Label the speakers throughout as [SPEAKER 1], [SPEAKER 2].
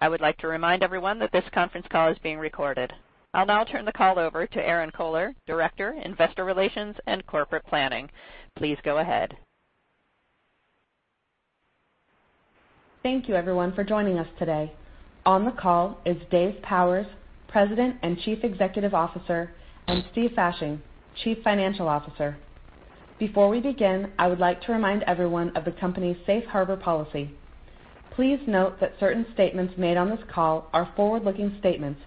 [SPEAKER 1] I would like to remind everyone that this conference call is being recorded. I'll now turn the call over to Erinn Kohler, Director, Investor Relations and Corporate Planning. Please go ahead.
[SPEAKER 2] Thank you everyone for joining us today. On the call is Dave Powers, President and Chief Executive Officer, and Steven Fasching, Chief Financial Officer. Before we begin, I would like to remind everyone of the company's safe harbor policy. Please note that certain statements made on this call are forward-looking statements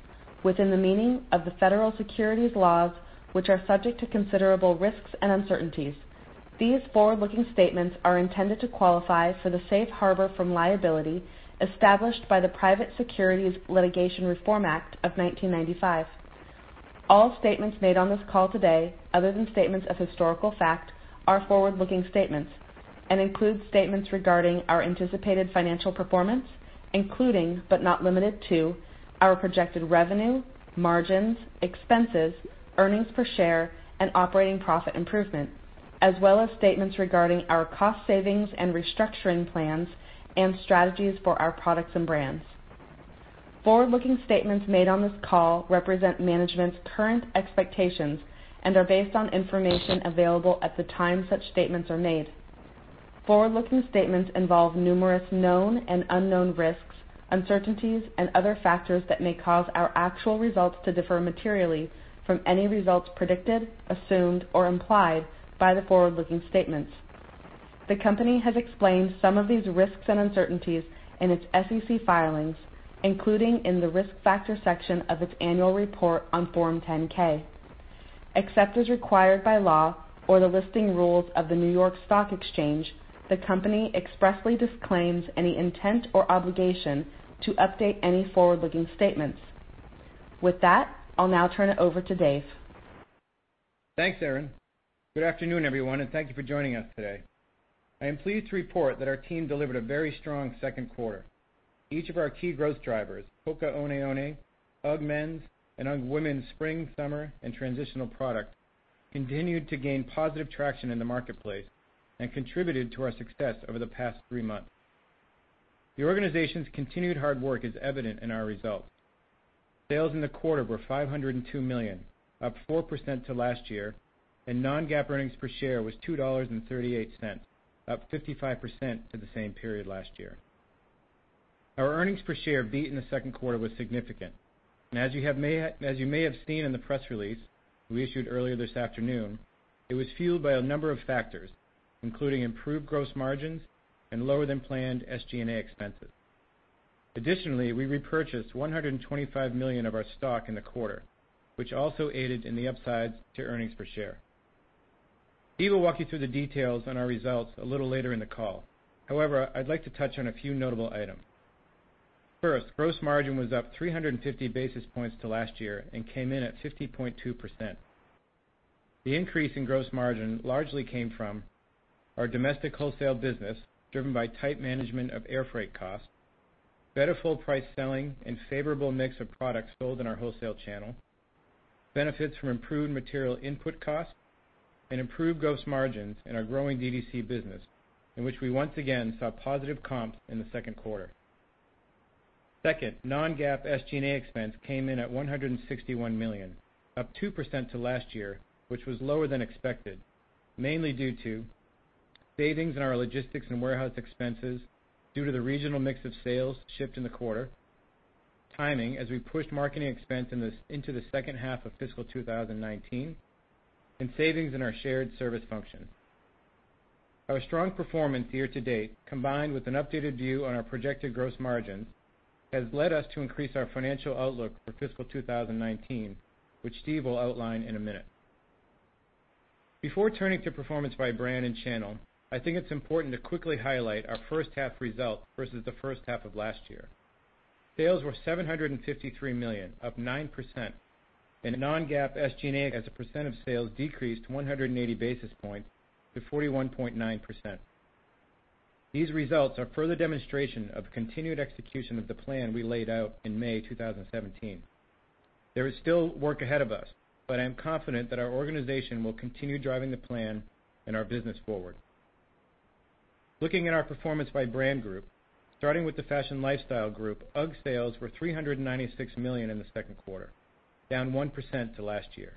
[SPEAKER 2] within the meaning of the federal securities laws, which are subject to considerable risks and uncertainties. These forward-looking statements are intended to qualify for the safe harbor from liability established by the Private Securities Litigation Reform Act of 1995. All statements made on this call today, other than statements of historical fact, are forward-looking statements and include statements regarding our anticipated financial performance, including, but not limited to our projected revenue, margins, expenses, earnings per share, and operating profit improvement, as well as statements regarding our cost savings and restructuring plans and strategies for our products and brands. Forward-looking statements made on this call represent management's current expectations and are based on information available at the time such statements are made. Forward-looking statements involve numerous known and unknown risks, uncertainties, and other factors that may cause our actual results to differ materially from any results predicted, assumed, or implied by the forward-looking statements. The company has explained some of these risks and uncertainties in its SEC filings, including in the Risk Factor section of its Annual Report on Form 10-K. Except as required by law or the listing rules of the New York Stock Exchange, the company expressly disclaims any intent or obligation to update any forward-looking statements. With that, I'll now turn it over to Dave.
[SPEAKER 3] Thanks, Erinn. Good afternoon, everyone, and thank you for joining us today. I am pleased to report that our team delivered a very strong second quarter. Each of our key growth drivers, HOKA ONE ONE, UGG men's, and UGG women's spring, summer, and transitional product, continued to gain positive traction in the marketplace and contributed to our success over the past three months. The organization's continued hard work is evident in our results. Sales in the quarter were $502 million, up 4% to last year, and non-GAAP earnings per share was $2.38, up 55% to the same period last year. Our earnings per share beat in the second quarter was significant. As you may have seen in the press release we issued earlier this afternoon, it was fueled by a number of factors, including improved gross margins and lower than planned SG&A expenses. Additionally, we repurchased $125 million of our stock in the quarter, which also aided in the upside to earnings per share. Steve will walk you through the details on our results a little later in the call. However, I'd like to touch on a few notable items. First, gross margin was up 350 basis points to last year and came in at 50.2%. The increase in gross margin largely came from our domestic wholesale business, driven by tight management of airfreight costs, better full price selling, and favorable mix of products sold in our wholesale channel, benefits from improved material input costs, and improved gross margins in our growing DTC business, in which we once again saw positive comps in the second quarter. Second, non-GAAP SG&A expense came in at $161 million, up 2% to last year, which was lower than expected, mainly due to savings in our logistics and warehouse expenses due to the regional mix of sales shift in the quarter, timing, as we pushed marketing expense into the second half of fiscal 2019, and savings in our shared service functions. Our strong performance year to date, combined with an updated view on our projected gross margins, has led us to increase our financial outlook for fiscal 2019, which Steve will outline in a minute. Before turning to performance by brand and channel, I think it's important to quickly highlight our first half results versus the first half of last year. Sales were $753 million, up 9%, and non-GAAP SG&A as a percent of sales decreased 180 basis points to 41.9%. These results are further demonstration of continued execution of the plan we laid out in May 2017. There is still work ahead of us, but I'm confident that our organization will continue driving the plan and our business forward. Looking at our performance by brand group, starting with the fashion lifestyle group, UGG sales were $396 million in the second quarter, down 1% to last year.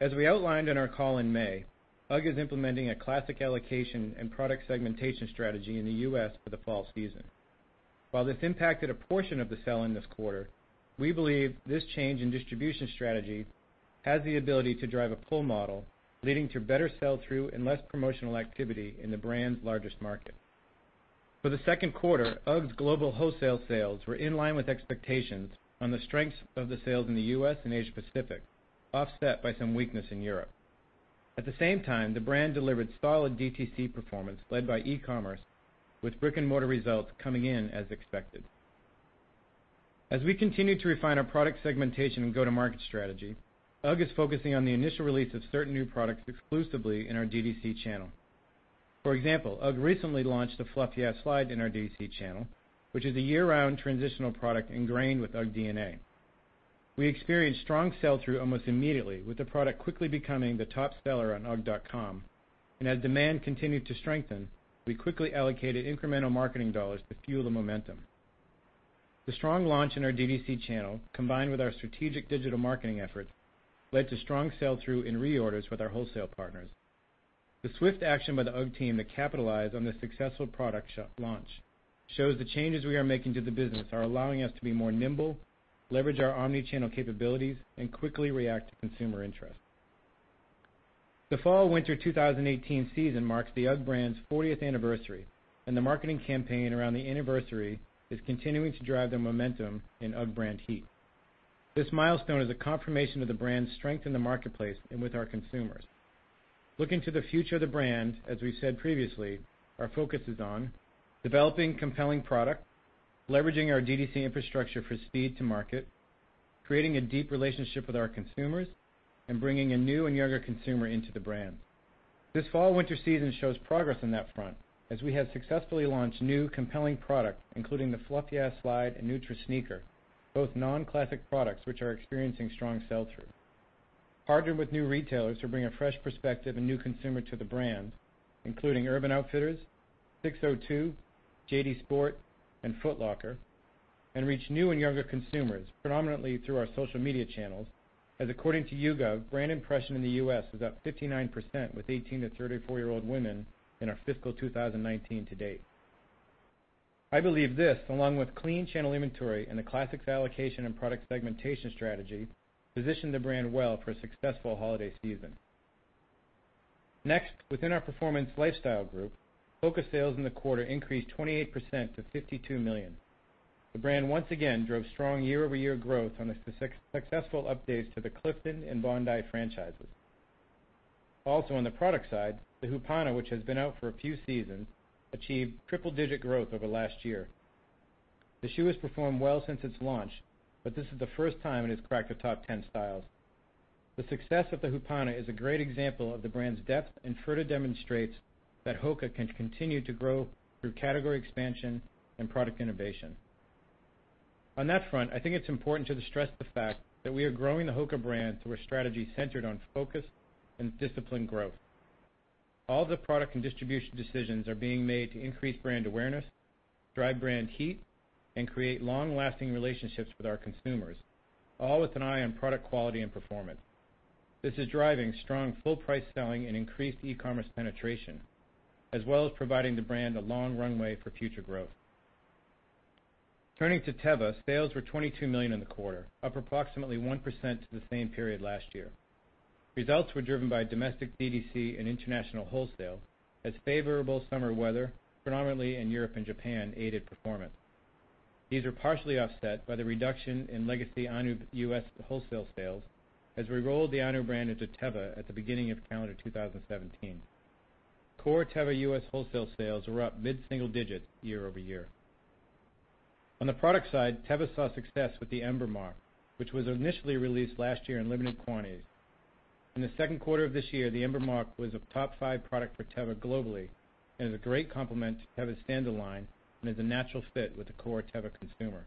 [SPEAKER 3] As we outlined on our call in May, UGG is implementing a classic allocation and product segmentation strategy in the U.S. for the fall season. While this impacted a portion of the sell in this quarter, we believe this change in distribution strategy has the ability to drive a pull model, leading to better sell-through and less promotional activity in the brand's largest market. For the second quarter, UGG's global wholesale sales were in line with expectations on the strengths of the sales in the U.S. and Asia Pacific, offset by some weakness in Europe. At the same time, the brand delivered solid DTC performance led by e-commerce, with brick and mortar results coming in as expected. As we continue to refine our product segmentation and go-to-market strategy, UGG is focusing on the initial release of certain new products exclusively in our DTC channel. For example, UGG recently launched the Fluff Yeah Slide in our DTC channel, which is a year-round transitional product ingrained with UGG DNA. We experienced strong sell-through almost immediately, with the product quickly becoming the top seller on ugg.com. As demand continued to strengthen, we quickly allocated incremental marketing dollars to fuel the momentum. The strong launch in our DTC channel, combined with our strategic digital marketing efforts, led to strong sell-through and reorders with our wholesale partners. The swift action by the UGG team to capitalize on this successful product launch shows the changes we are making to the business are allowing us to be more nimble, leverage our omni-channel capabilities, and quickly react to consumer interest. The fall/winter 2018 season marks the UGG brand's 40th anniversary, and the marketing campaign around the anniversary is continuing to drive the momentum in UGG brand heat. This milestone is a confirmation of the brand's strength in the marketplace and with our consumers. Looking to the future of the brand, as we've said previously, our focus is on developing compelling product, leveraging our DTC infrastructure for speed to market, creating a deep relationship with our consumers, and bringing a new and younger consumer into the brand. This fall/winter season shows progress on that front, as we have successfully launched new compelling product, including the Fluff Yeah Slide and Neutra Sneaker, both non-classic products which are experiencing strong sell-through. Partnered with new retailers to bring a fresh perspective and new consumer to the brand, including Urban Outfitters, SIX:02, JD Sports, and Foot Locker, and reach new and younger consumers, predominantly through our social media channels, as according to YouGov, brand impression in the U.S. was up 59% with 18 to 34-year-old women in our fiscal 2019 to date. I believe this, along with clean channel inventory and the classics allocation and product segmentation strategy, position the brand well for a successful holiday season. Next, within our Performance Lifestyle group, HOKA sales in the quarter increased 28% to $52 million. The brand once again drove strong year-over-year growth on the successful updates to the Clifton and Bondi franchises. Also on the product side, the Hupana, which has been out for a few seasons, achieved triple-digit growth over last year. The shoe has performed well since its launch, but this is the first time it has cracked the top 10 styles. The success of the Hupana is a great example of the brand's depth and further demonstrates that HOKA can continue to grow through category expansion and product innovation. On that front, I think it's important to stress the fact that we are growing the HOKA brand through a strategy centered on focused and disciplined growth. All the product and distribution decisions are being made to increase brand awareness, drive brand heat, and create long-lasting relationships with our consumers, all with an eye on product quality and performance. This is driving strong full-price selling and increased e-commerce penetration, as well as providing the brand a long runway for future growth. Turning to Teva, sales were $22 million in the quarter, up approximately 1% to the same period last year. Results were driven by domestic DTC and international wholesale, as favorable summer weather, predominantly in Europe and Japan, aided performance. These were partially offset by the reduction in legacy Ahnu U.S. wholesale sales as we rolled the Ahnu brand into Teva at the beginning of calendar 2017. Core Teva U.S. wholesale sales were up mid-single digit year-over-year. On the product side, Teva saw success with the Ember Moc, which was initially released last year in limited quantities. In the second quarter of this year, the Ember Moc was a top five product for Teva globally, and is a great complement to Teva's standalone and is a natural fit with the core Teva consumer.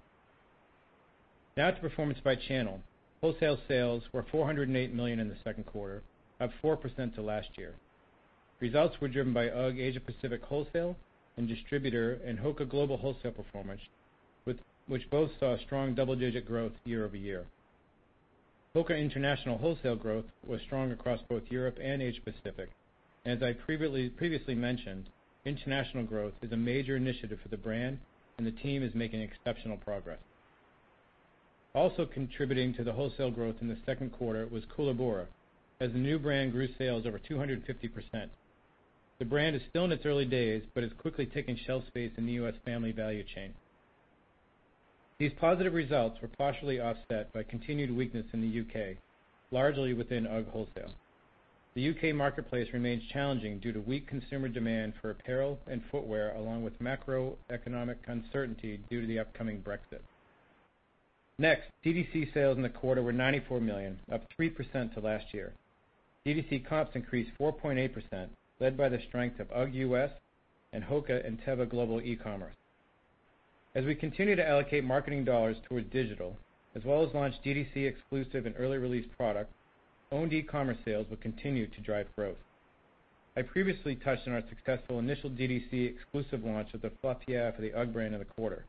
[SPEAKER 3] Now to performance by channel. Wholesale sales were $408 million in the second quarter, up 4% to last year. Results were driven by UGG Asia Pacific wholesale and distributor and HOKA global wholesale performance, which both saw strong double-digit growth year-over-year. HOKA international wholesale growth was strong across both Europe and Asia Pacific, and as I previously mentioned, international growth is a major initiative for the brand, and the team is making exceptional progress. Also contributing to the wholesale growth in the second quarter was Koolaburra, as the new brand grew sales over 250%. The brand is still in its early days, but is quickly taking shelf space in the U.S. family value chain. These positive results were partially offset by continued weakness in the U.K., largely within UGG wholesale. The U.K. marketplace remains challenging due to weak consumer demand for apparel and footwear, along with macroeconomic uncertainty due to the upcoming Brexit. DTC sales in the quarter were $94 million, up 3% to last year. DTC comps increased 4.8%, led by the strength of UGG U.S. and HOKA and Teva global e-commerce. As we continue to allocate marketing dollars towards digital, as well as launch DTC exclusive and early release product, owned e-commerce sales will continue to drive growth. I previously touched on our successful initial DTC exclusive launch of the Fluff Yeah for the UGG brand in the quarter.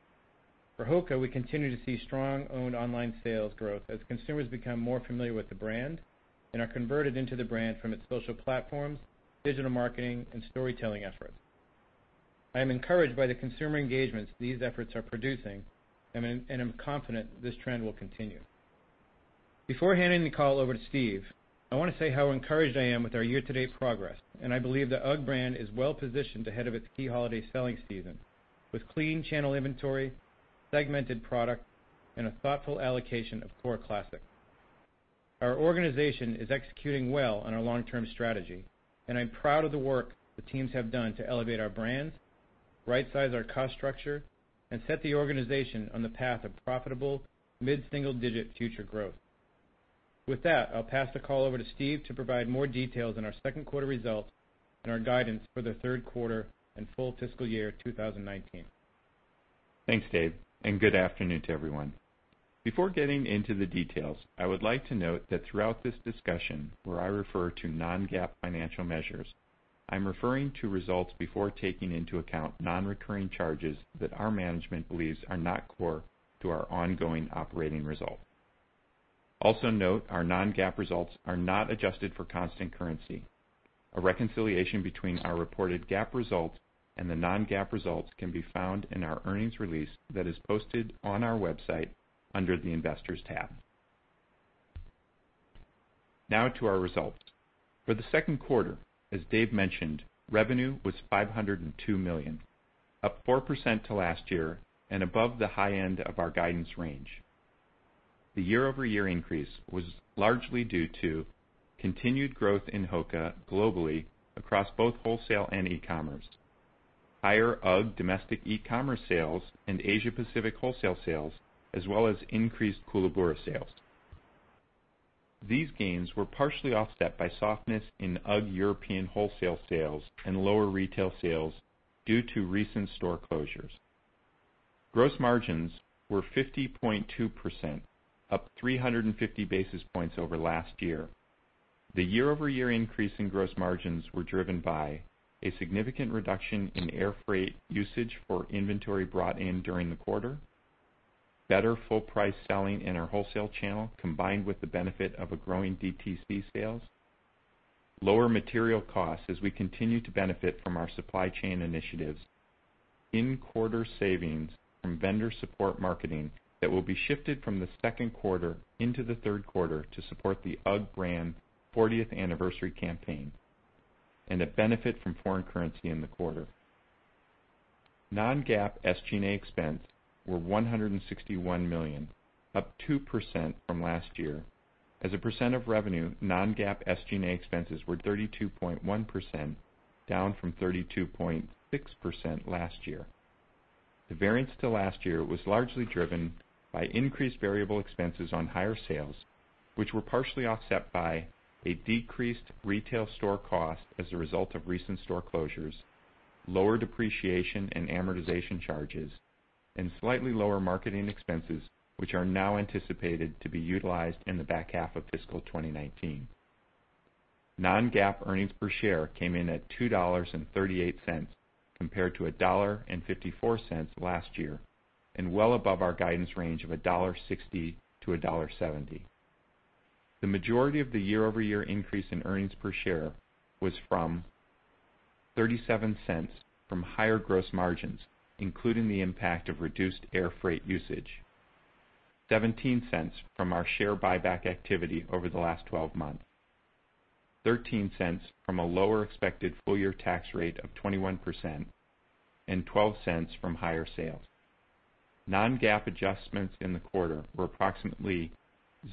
[SPEAKER 3] For HOKA, we continue to see strong owned online sales growth as consumers become more familiar with the brand and are converted into the brand from its social platforms, digital marketing, and storytelling efforts. I am encouraged by the consumer engagements these efforts are producing, and I'm confident this trend will continue. Before handing the call over to Steve, I want to say how encouraged I am with our year-to-date progress, and I believe the UGG brand is well positioned ahead of its key holiday selling season with clean channel inventory, segmented product, and a thoughtful allocation of core classics. Our organization is executing well on our long-term strategy, I'm proud of the work the teams have done to elevate our brands, right-size our cost structure, and set the organization on the path of profitable mid-single-digit future growth. I'll pass the call over to Steve to provide more details on our second quarter results and our guidance for the third quarter and full fiscal year 2019.
[SPEAKER 4] Thanks, Dave, and good afternoon to everyone. Before getting into the details, I would like to note that throughout this discussion, where I refer to non-GAAP financial measures, I am referring to results before taking into account non-recurring charges that our management believes are not core to our ongoing operating result. Also note, our non-GAAP results are not adjusted for constant currency. A reconciliation between our reported GAAP results and the non-GAAP results can be found in our earnings release that is posted on our website under the Investors tab. Now to our results. For the second quarter, as Dave mentioned, revenue was $502 million, up 4% to last year and above the high end of our guidance range. The year-over-year increase was largely due to continued growth in HOKA globally across both wholesale and e-commerce, higher UGG domestic e-commerce sales and Asia Pacific wholesale sales, as well as increased Koolaburra sales. These gains were partially offset by softness in UGG European wholesale sales and lower retail sales due to recent store closures. Gross margins were 50.2%, up 350 basis points over last year. The year-over-year increase in gross margins were driven by a significant reduction in air freight usage for inventory brought in during the quarter, better full price selling in our wholesale channel, combined with the benefit of a growing DTC sales, lower material costs as we continue to benefit from our supply chain initiatives, in-quarter savings from vendor support marketing that will be shifted from the second quarter into the third quarter to support the UGG brand 40th anniversary campaign, and a benefit from foreign currency in the quarter. Non-GAAP SG&A expense were $161 million, up 2% from last year. As a percent of revenue, non-GAAP SG&A expenses were 32.1%, down from 32.6% last year. The variance to last year was largely driven by increased variable expenses on higher sales, which were partially offset by a decreased retail store cost as a result of recent store closures, lower depreciation in amortization charges, and slightly lower marketing expenses, which are now anticipated to be utilized in the back half of fiscal 2019. Non-GAAP earnings per share came in at $2.38 compared to $1.54 last year, and well above our guidance range of $1.60 to $1.70. The majority of the year-over-year increase in earnings per share was from $0.37 from higher gross margins, including the impact of reduced air freight usage, $0.17 from our share buyback activity over the last 12 months, $0.13 from a lower expected full-year tax rate of 21%, and $0.12 from higher sales. Non-GAAP adjustments in the quarter were approximately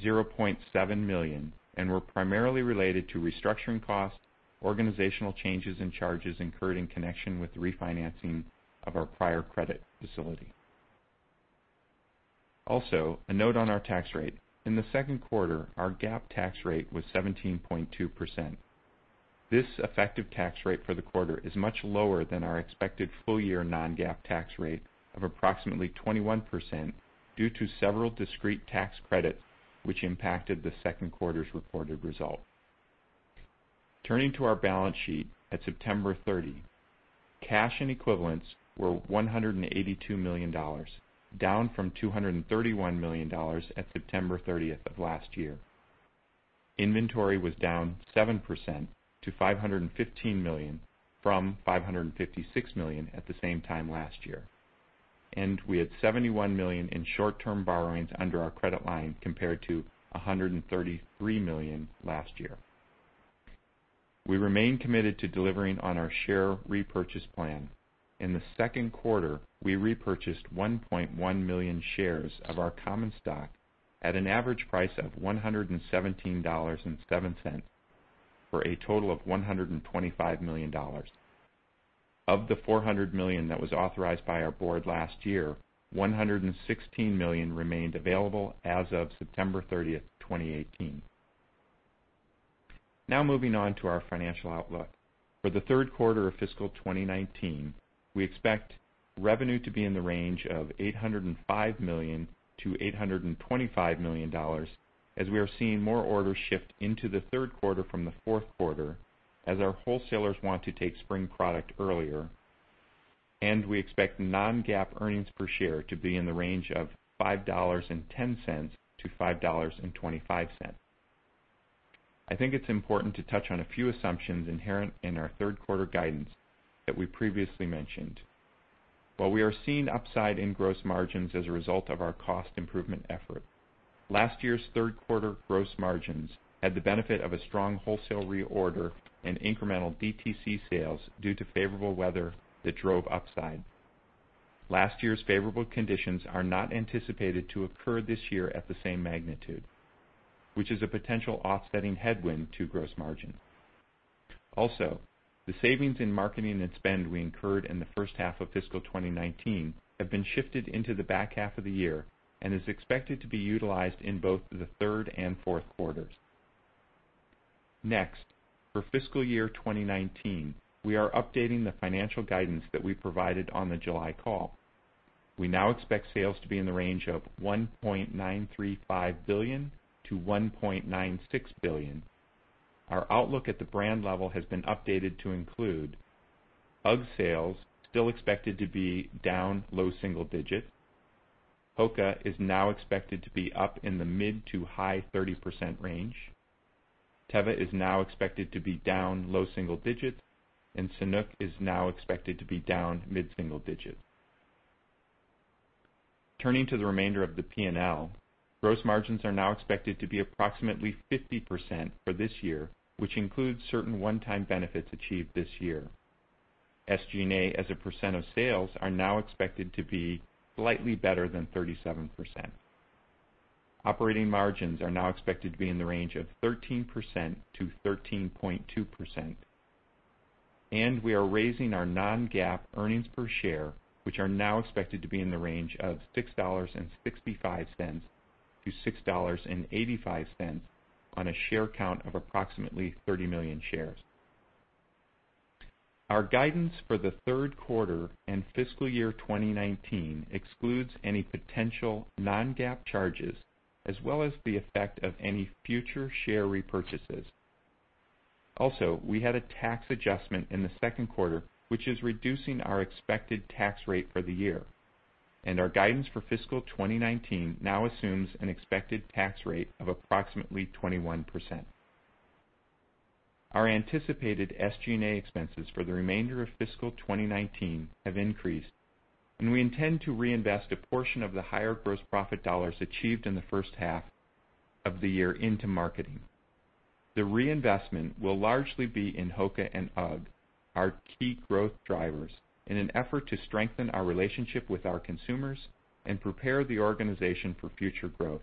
[SPEAKER 4] $0.7 million and were primarily related to restructuring costs, organizational changes and charges incurred in connection with the refinancing of our prior credit facility. A note on our tax rate. In the second quarter, our GAAP tax rate was 17.2%. This effective tax rate for the quarter is much lower than our expected full-year non-GAAP tax rate of approximately 21% due to several discrete tax credits, which impacted the second quarter's reported result. Turning to our balance sheet at September 30. Cash and equivalents were $182 million, down from $231 million at September 30 of last year. Inventory was down 7% to $515 million from $556 million at the same time last year. We had $71 million in short-term borrowings under our credit line compared to $133 million last year. We remain committed to delivering on our share repurchase plan. In the second quarter, we repurchased 1.1 million shares of our common stock at an average price of $117.07 for a total of $125 million. Of the $400 million that was authorized by our board last year, $116 million remained available as of September 30, 2018. Moving on to our financial outlook. For the third quarter of fiscal 2019, we expect revenue to be in the range of $805 million-$825 million, as we are seeing more orders shift into the third quarter from the fourth quarter, as our wholesalers want to take spring product earlier. We expect non-GAAP earnings per share to be in the range of $5.10-$5.25. I think it's important to touch on a few assumptions inherent in our third quarter guidance that we previously mentioned. While we are seeing upside in gross margins as a result of our cost improvement effort, last year's third quarter gross margins had the benefit of a strong wholesale reorder and incremental DTC sales due to favorable weather that drove upside. Last year's favorable conditions are not anticipated to occur this year at the same magnitude, which is a potential offsetting headwind to gross margin. The savings in marketing and spend we incurred in the first half of fiscal 2019 have been shifted into the back half of the year and is expected to be utilized in both the third and fourth quarters. For fiscal year 2019, we are updating the financial guidance that we provided on the July call. We now expect sales to be in the range of $1.935 billion-$1.96 billion. Our outlook at the brand level has been updated to include UGG sales still expected to be down low single digits. HOKA is now expected to be up in the mid to high 30% range. Teva is now expected to be down low single digits. Sanuk is now expected to be down mid-single digits. Turning to the remainder of the P&L, gross margins are now expected to be approximately 50% for this year, which includes certain one-time benefits achieved this year. SG&A as a percent of sales are now expected to be slightly better than 37%. Operating margins are now expected to be in the range of 13%-13.2%. We are raising our non-GAAP earnings per share, which are now expected to be in the range of $6.65-$6.85 on a share count of approximately 30 million shares. Our guidance for the third quarter and fiscal year 2019 excludes any potential non-GAAP charges, as well as the effect of any future share repurchases. We had a tax adjustment in the second quarter, which is reducing our expected tax rate for the year. Our guidance for fiscal 2019 now assumes an expected tax rate of approximately 21%. Our anticipated SG&A expenses for the remainder of fiscal 2019 have increased, and we intend to reinvest a portion of the higher gross profit dollars achieved in the first half of the year into marketing. The reinvestment will largely be in HOKA and UGG, our key growth drivers, in an effort to strengthen our relationship with our consumers and prepare the organization for future growth.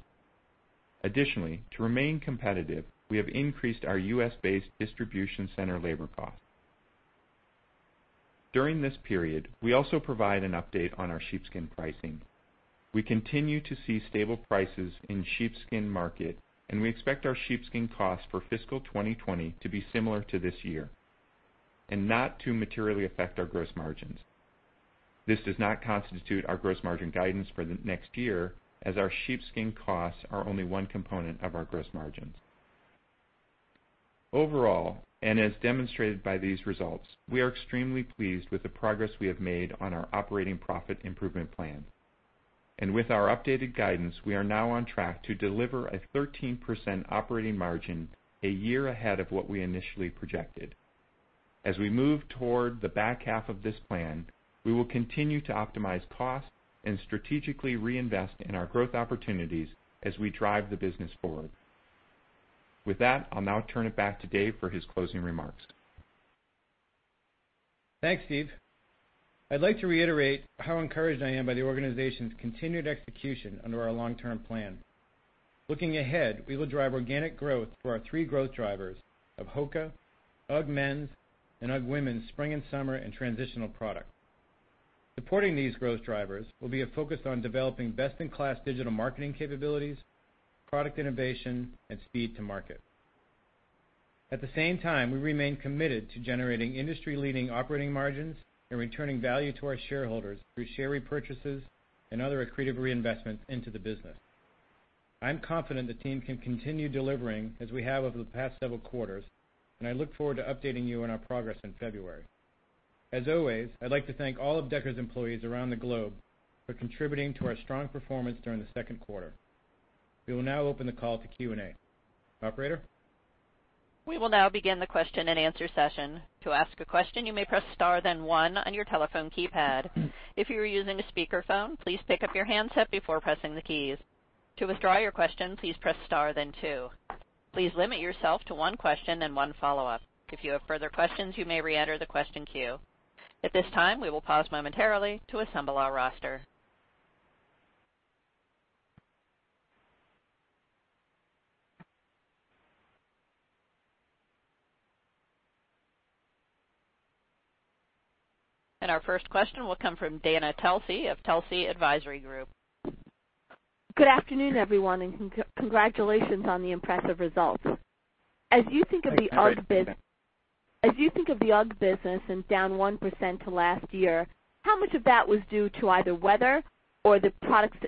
[SPEAKER 4] Additionally, to remain competitive, we have increased our U.S.-based distribution center labor cost. During this period, we also provide an update on our sheepskin pricing. We continue to see stable prices in sheepskin market. We expect our sheepskin cost for fiscal 2020 to be similar to this year and not to materially affect our gross margins. This does not constitute our gross margin guidance for the next year, as our sheepskin costs are only one component of our gross margins. Overall, as demonstrated by these results, we are extremely pleased with the progress we have made on our operating profit improvement plan. With our updated guidance, we are now on track to deliver a 13% operating margin a year ahead of what we initially projected. As we move toward the back half of this plan, we will continue to optimize costs and strategically reinvest in our growth opportunities as we drive the business forward. With that, I'll now turn it back to Dave for his closing remarks.
[SPEAKER 3] Thanks, Steve. I'd like to reiterate how encouraged I am by the organization's continued execution under our long-term plan. Looking ahead, we will drive organic growth for our 3 growth drivers of HOKA, UGG men's, and UGG women's spring and summer and transitional product. Supporting these growth drivers will be a focus on developing best-in-class digital marketing capabilities, product innovation, and speed to market. At the same time, we remain committed to generating industry-leading operating margins and returning value to our shareholders through share repurchases and other accretive reinvestments into the business. I'm confident the team can continue delivering as we have over the past several quarters, and I look forward to updating you on our progress in February. As always, I'd like to thank all of Deckers' employees around the globe for contributing to our strong performance during the second quarter. We will now open the call to Q&A. Operator?
[SPEAKER 1] We will now begin the question and answer session. To ask a question, you may press star then 1 on your telephone keypad. If you are using a speakerphone, please pick up your handset before pressing the keys. To withdraw your question, please press star then 2. Please limit yourself to 1 question and 1 follow-up. If you have further questions, you may reenter the question queue. At this time, we will pause momentarily to assemble our roster. Our first question will come from Dana Telsey of Telsey Advisory Group.
[SPEAKER 5] Good afternoon, everyone, and congratulations on the impressive results. Thanks, Dana. As you think of the UGG business and down 1% to last year, how much of that was due to either weather or the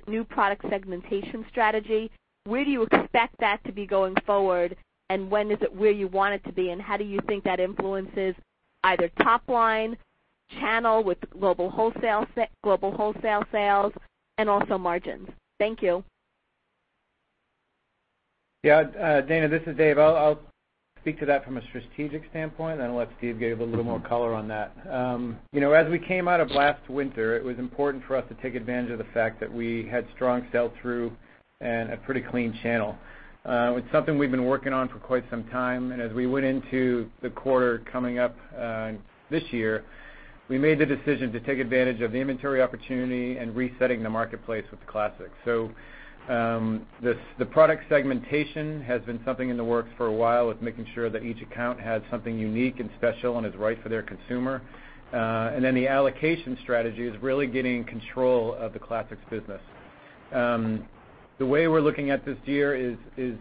[SPEAKER 5] new product segmentation strategy? Where do you expect that to be going forward, and when is it where you want it to be? How do you think that influences either top line, channel with global wholesale sales, and also margins? Thank you.
[SPEAKER 3] Dana, this is Dave. I'll speak to that from a strategic standpoint, and I'll let Steve give a little more color on that. As we came out of last winter, it was important for us to take advantage of the fact that we had strong sell-through and a pretty clean channel. It's something we've been working on for quite some time, and as we went into the quarter coming up this year, we made the decision to take advantage of the inventory opportunity and resetting the marketplace with the classics. The product segmentation has been something in the works for a while. It's making sure that each account has something unique and special and is right for their consumer. The allocation strategy is really getting control of the Classics business. The way we're looking at this year is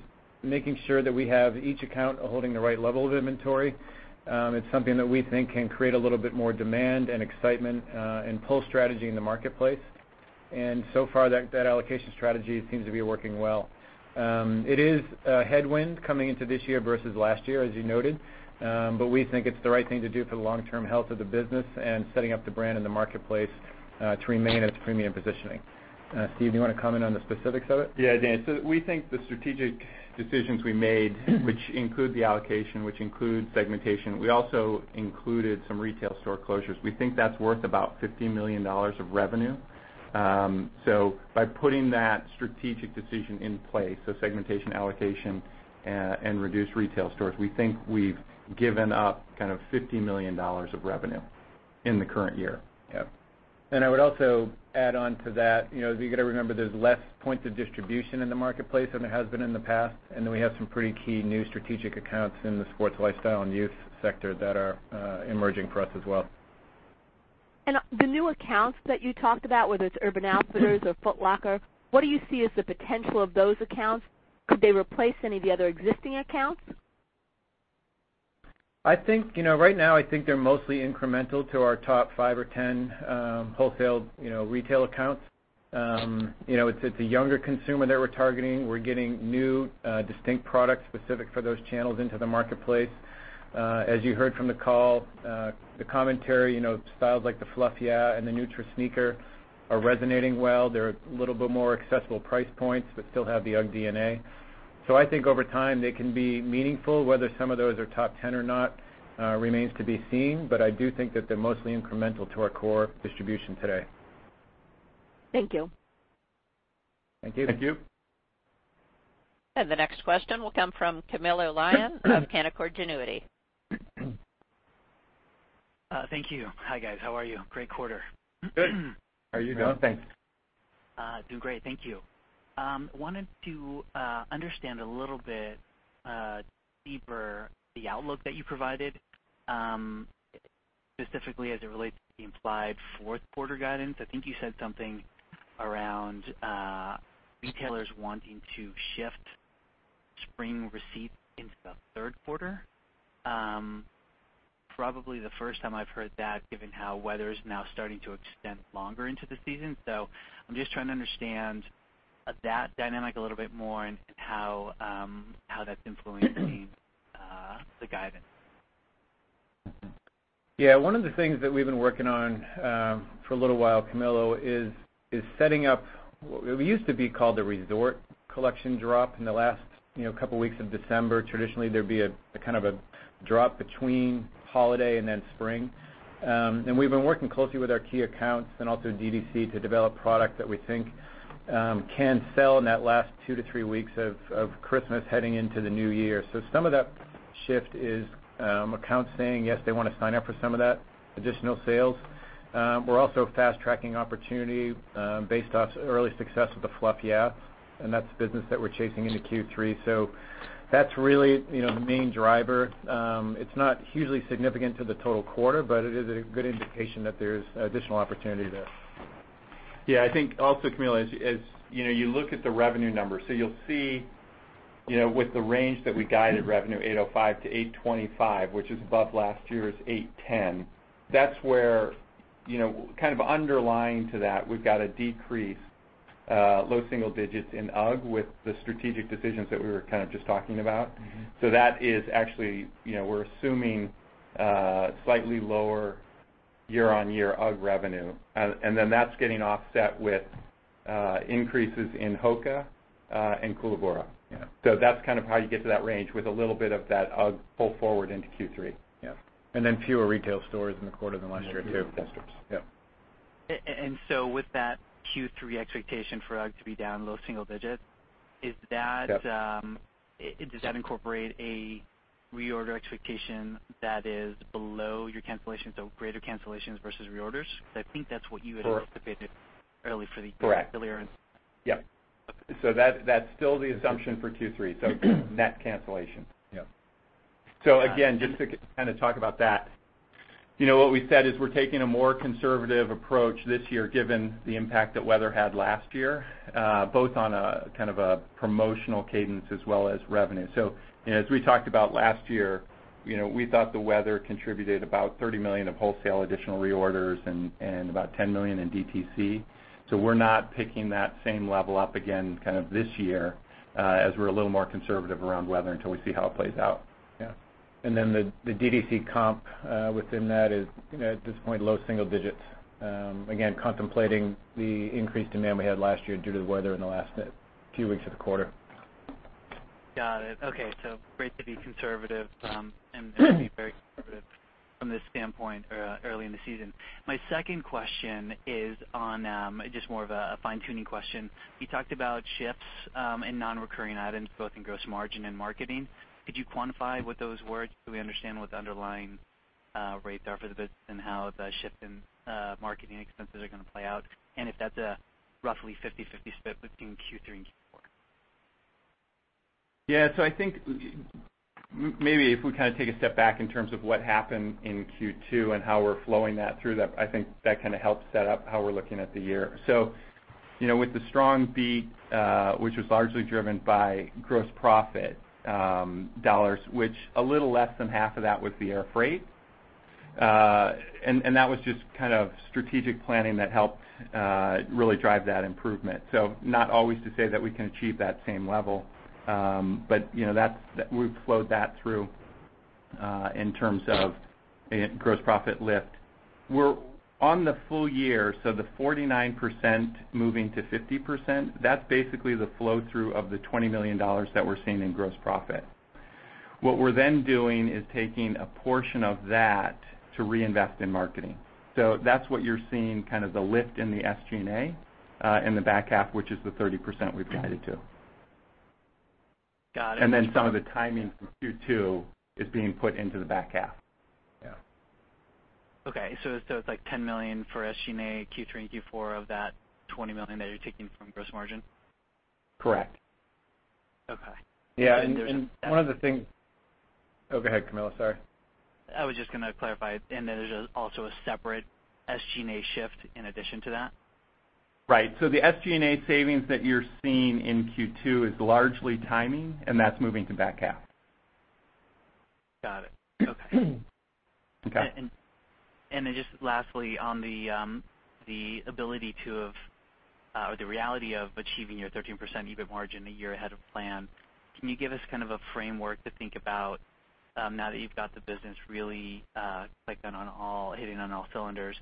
[SPEAKER 3] making sure that we have each account holding the right level of inventory. It's something that we think can create a little bit more demand and excitement and pull strategy in the marketplace. So far, that allocation strategy seems to be working well. It is a headwind coming into this year versus last year, as you noted. But we think it's the right thing to do for the long-term health of the business and setting up the brand in the marketplace to remain in its premium positioning. Steven, do you want to comment on the specifics of it?
[SPEAKER 4] Dana. So we think the strategic decisions we made, which include the allocation, which include segmentation, we also included some retail store closures. We think that's worth about $15 million of revenue. So by putting that strategic decision in place, so segmentation, allocation, and reduced retail stores, we think we've given up $50 million of revenue in the current year.
[SPEAKER 3] I would also add on to that, you've got to remember, there's less points of distribution in the marketplace than there has been in the past. Then we have some pretty key new strategic accounts in the sports lifestyle and youth sector that are emerging for us as well.
[SPEAKER 5] The new accounts that you talked about, whether it's Urban Outfitters or Foot Locker, what do you see as the potential of those accounts? Could they replace any of the other existing accounts?
[SPEAKER 3] Right now, I think they're mostly incremental to our top five or 10 wholesale retail accounts. It's a younger consumer that we're targeting. We're getting new, distinct products specific for those channels into the marketplace. As you heard from the call, the commentary, styles like the Fluff Yeah and the Neutra Sneaker are resonating well. They're a little bit more accessible price points, but still have the UGG DNA. I think over time, they can be meaningful. Whether some of those are top 10 or not remains to be seen, but I do think that they're mostly incremental to our core distribution today.
[SPEAKER 5] Thank you.
[SPEAKER 3] Thank you.
[SPEAKER 4] Thank you.
[SPEAKER 1] The next question will come from Camilo Lyon of Canaccord Genuity.
[SPEAKER 6] Thank you. Hi, guys. How are you? Great quarter.
[SPEAKER 4] Good.
[SPEAKER 3] How are you doing? Thanks.
[SPEAKER 6] Doing great. Thank you. Wanted to understand a little bit deeper the outlook that you provided, specifically as it relates to the implied fourth quarter guidance. I think you said something around retailers wanting to shift spring receipts into the third quarter. Probably the first time I've heard that, given how weather's now starting to extend longer into the season. I'm just trying to understand that dynamic a little bit more and how that's influencing the guidance.
[SPEAKER 3] Yeah. One of the things that we've been working on for a little while, Camilo, is setting up what used to be called the resort collection drop in the last two to three weeks of December. Traditionally, there'd be a drop between holiday and then spring. We've been working closely with our key accounts and also DTC to develop product that we think can sell in that last two to three weeks of Christmas heading into the new year. Some of that shift is accounts saying, yes, they want to sign up for some of that additional sales. We're also fast-tracking opportunity based off early success with the Fluff Yeah, and that's business that we're chasing into Q3. That's really the main driver. It's not hugely significant to the total quarter, but it is a good indication that there's additional opportunity there.
[SPEAKER 4] Yeah. I think also, Camilo, as you look at the revenue numbers, you'll see with the range that we guided revenue $805-$825, which is above last year's $810. That's where, kind of underlying to that, we've got a decrease low single digits in UGG with the strategic decisions that we were kind of just talking about. That is actually, we're assuming slightly lower year-on-year UGG revenue. That's getting offset with increases in HOKA and Koolaburra.
[SPEAKER 3] Yeah.
[SPEAKER 4] That's how you get to that range with a little bit of that UGG pull forward into Q3.
[SPEAKER 3] Yeah. Fewer retail stores in the quarter than last year, too.
[SPEAKER 4] Fewer retail stores. Yep.
[SPEAKER 6] With that Q3 expectation for UGG to be down low single digits.
[SPEAKER 3] Yep
[SPEAKER 6] Does that incorporate a reorder expectation that is below your cancellations, so greater cancellations versus reorders? I think that's what you had anticipated early for the earlier.
[SPEAKER 4] Correct. Yes. That's still the assumption for Q3, so net cancellation.
[SPEAKER 3] Yep.
[SPEAKER 4] Again, just to kind of talk about that. What we said is we're taking a more conservative approach this year given the impact that weather had last year, both on a promotional cadence as well as revenue. As we talked about last year, we thought the weather contributed about $30 million of wholesale additional reorders and about $10 million in DTC. We're not picking that same level up again this year as we're a little more conservative around weather until we see how it plays out.
[SPEAKER 3] Yeah. Then the DTC comp within that is, at this point, low single digits. Again, contemplating the increased demand we had last year due to the weather in the last few weeks of the quarter.
[SPEAKER 6] Got it. Okay. Great to be conservative and very conservative from this standpoint early in the season. My second question is just more of a fine-tuning question. You talked about shifts in non-recurring items, both in gross margin and marketing. Could you quantify what those were just so we understand what the underlying rates are for the business and how the shift in marketing expenses are going to play out, and if that's a roughly 50-50 split between Q3 and Q4?
[SPEAKER 4] Yeah. I think maybe if we kind of take a step back in terms of what happened in Q2 and how we're flowing that through, I think that kind of helps set up how we're looking at the year. With the strong beat, which was largely driven by gross profit dollars, which a little less than half of that was the air freight. That was just kind of strategic planning that helped, really drive that improvement. Not always to say that we can achieve that same level, but we've flowed that through, in terms of gross profit lift. We're on the full year, so the 49% moving to 50%, that's basically the flow-through of the $20 million that we're seeing in gross profit. What we're then doing is taking a portion of that to reinvest in marketing. That's what you're seeing, kind of the lift in the SG&A, in the back half, which is the 30% we've guided to.
[SPEAKER 6] Got it.
[SPEAKER 4] Some of the timing from Q2 is being put into the back half. Yeah.
[SPEAKER 6] Okay, it's like $10 million for SG&A Q3 and Q4 of that $20 million that you're taking from gross margin?
[SPEAKER 4] Correct.
[SPEAKER 6] Okay.
[SPEAKER 4] Yeah. One of the things, go ahead, Camilo, sorry.
[SPEAKER 6] I was just going to clarify, there's also a separate SG&A shift in addition to that?
[SPEAKER 4] Right. The SG&A savings that you're seeing in Q2 is largely timing, and that's moving to back half.
[SPEAKER 6] Got it. Okay.
[SPEAKER 4] Okay.
[SPEAKER 6] Lastly on the ability to, or the reality of achieving your 13% EBIT margin a year ahead of plan, can you give us kind of a framework to think about now that you've got the business really hitting on all cylinders,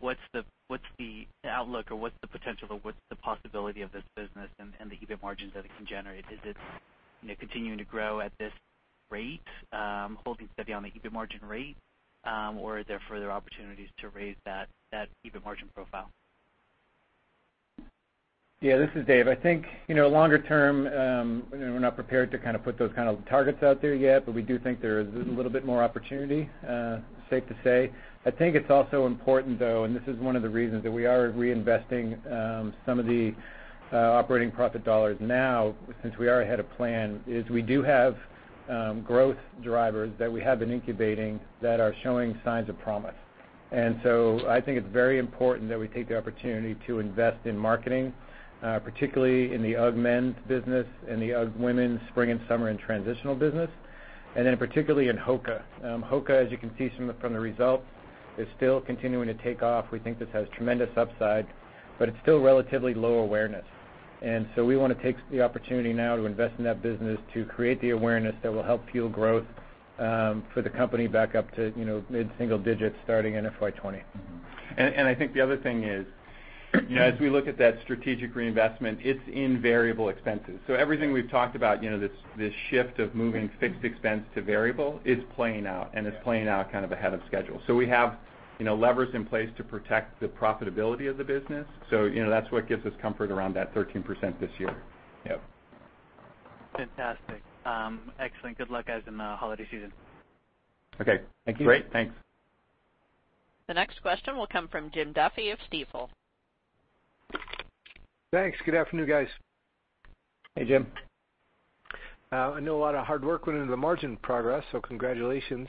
[SPEAKER 6] what's the outlook or what's the potential or what's the possibility of this business and the EBIT margins that it can generate? Is it continuing to grow at this rate, holding steady on the EBIT margin rate? Or are there further opportunities to raise that EBIT margin profile?
[SPEAKER 3] Yeah, this is Dave. I think, longer term, we're not prepared to kind of put those kind of targets out there yet, but we do think there is a little bit more opportunity, safe to say. I think it's also important, though, this is one of the reasons that we are reinvesting some of the operating profit dollars now since we are ahead of plan, is we do have growth drivers that we have been incubating that are showing signs of promise. I think it's very important that we take the opportunity to invest in marketing, particularly in the UGG men's business and the UGG women's spring and summer and transitional business. Particularly in HOKA. HOKA, as you can see from the results, is still continuing to take off. We think this has tremendous upside, but it's still relatively low awareness. We want to take the opportunity now to invest in that business to create the awareness that will help fuel growth for the company back up to mid-single digits starting in FY 2020.
[SPEAKER 4] I think the other thing is, as we look at that strategic reinvestment, it's in variable expenses. Everything we've talked about, this shift of moving fixed expense to variable is playing out, and it's playing out kind of ahead of schedule. We have levers in place to protect the profitability of the business. That's what gives us comfort around that 13% this year. Yep.
[SPEAKER 6] Fantastic. Excellent. Good luck, guys, in the holiday season.
[SPEAKER 4] Okay.
[SPEAKER 3] Thank you.
[SPEAKER 4] Great. Thanks.
[SPEAKER 1] The next question will come from Jim Duffy of Stifel.
[SPEAKER 7] Thanks. Good afternoon, guys.
[SPEAKER 4] Hey, Jim.
[SPEAKER 7] I know a lot of hard work went into the margin progress, so congratulations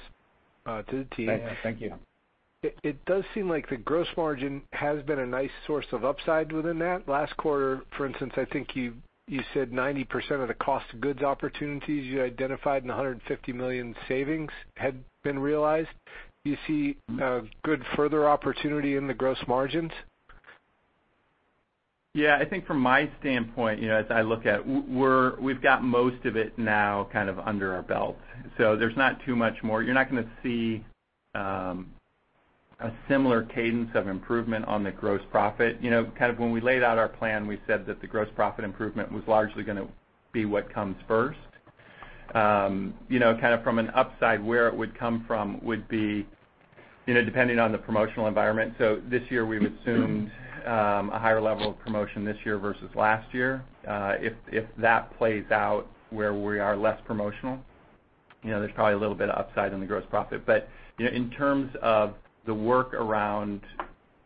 [SPEAKER 7] to the team.
[SPEAKER 4] Thank you.
[SPEAKER 3] Thank you.
[SPEAKER 7] It does seem like the gross margin has been a nice source of upside within that. Last quarter, for instance, I think you said 90% of the cost of goods opportunities you identified and the $150 million in savings had been realized. Do you see a good further opportunity in the gross margins?
[SPEAKER 4] Yeah, I think from my standpoint, We've got most of it now kind of under our belt, there's not too much more. You're not going to see a similar cadence of improvement on the gross profit. Kind of when we laid out our plan, we said that the gross profit improvement was largely going to be what comes first. Kind of from an upside, where it would come from would be depending on the promotional environment. This year, we've assumed a higher level of promotion this year versus last year. If that plays out where we are less promotional, there's probably a little bit of upside in the gross profit. In terms of the work around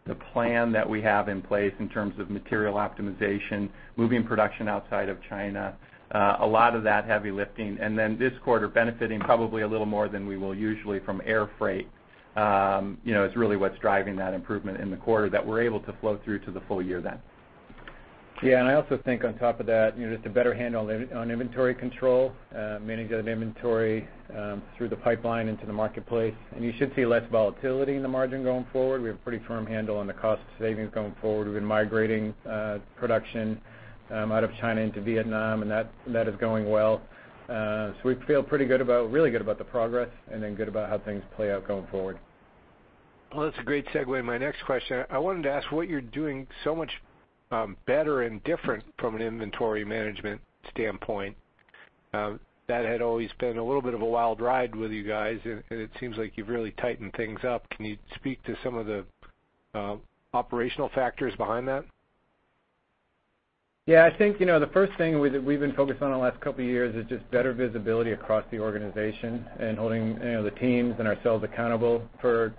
[SPEAKER 4] the plan that we have in place in terms of material optimization, moving production outside of China, a lot of that heavy lifting. This quarter benefiting probably a little more than we will usually from air freight, is really what's driving that improvement in the quarter that we're able to flow through to the full year then.
[SPEAKER 3] Yeah, I also think on top of that, just a better handle on inventory control, managing inventory through the pipeline into the marketplace. You should see less volatility in the margin going forward. We have a pretty firm handle on the cost savings going forward. We've been migrating production out of China into Vietnam, and that is going well. We feel really good about the progress and then good about how things play out going forward.
[SPEAKER 7] Well, that's a great segue to my next question. I wanted to ask what you're doing so much better and different from an inventory management standpoint. That had always been a little bit of a wild ride with you guys, and it seems like you've really tightened things up. Can you speak to some of the operational factors behind that?
[SPEAKER 3] Yeah, I think the first thing we've been focused on the last couple of years is just better visibility across the organization and holding the teams and ourselves accountable for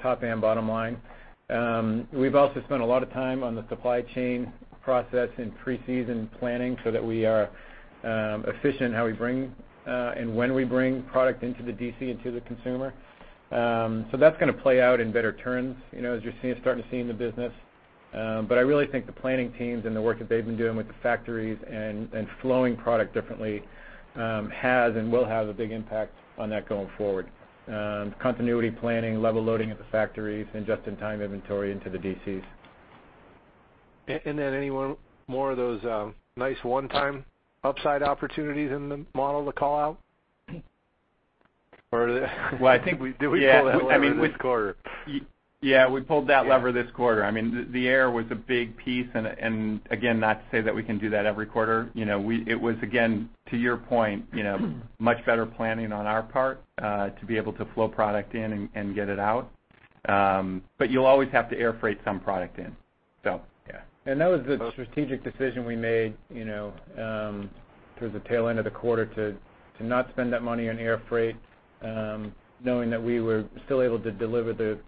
[SPEAKER 3] top and bottom line. We've also spent a lot of time on the supply chain process and pre-season planning so that we are efficient in how we bring and when we bring product into the DC and to the consumer. That's going to play out in better turns, as you're starting to see in the business. I really think the planning teams and the work that they've been doing with the factories and flowing product differently has and will have a big impact on that going forward. Continuity planning, level loading at the factories, and just-in-time inventory into the DCs.
[SPEAKER 7] Any more of those nice one-time upside opportunities in the model to call out?
[SPEAKER 3] Well, I think Did we pull that lever this quarter? Yeah, we pulled that lever this quarter. The air was a big piece, and again, not to say that we can do that every quarter. It was, again, to your point, much better planning on our part to be able to flow product in and get it out. You'll always have to air freight some product in. Yeah. That was the strategic decision we made towards the tail end of the quarter to not spend that money on air freight, knowing that we were still able to deliver the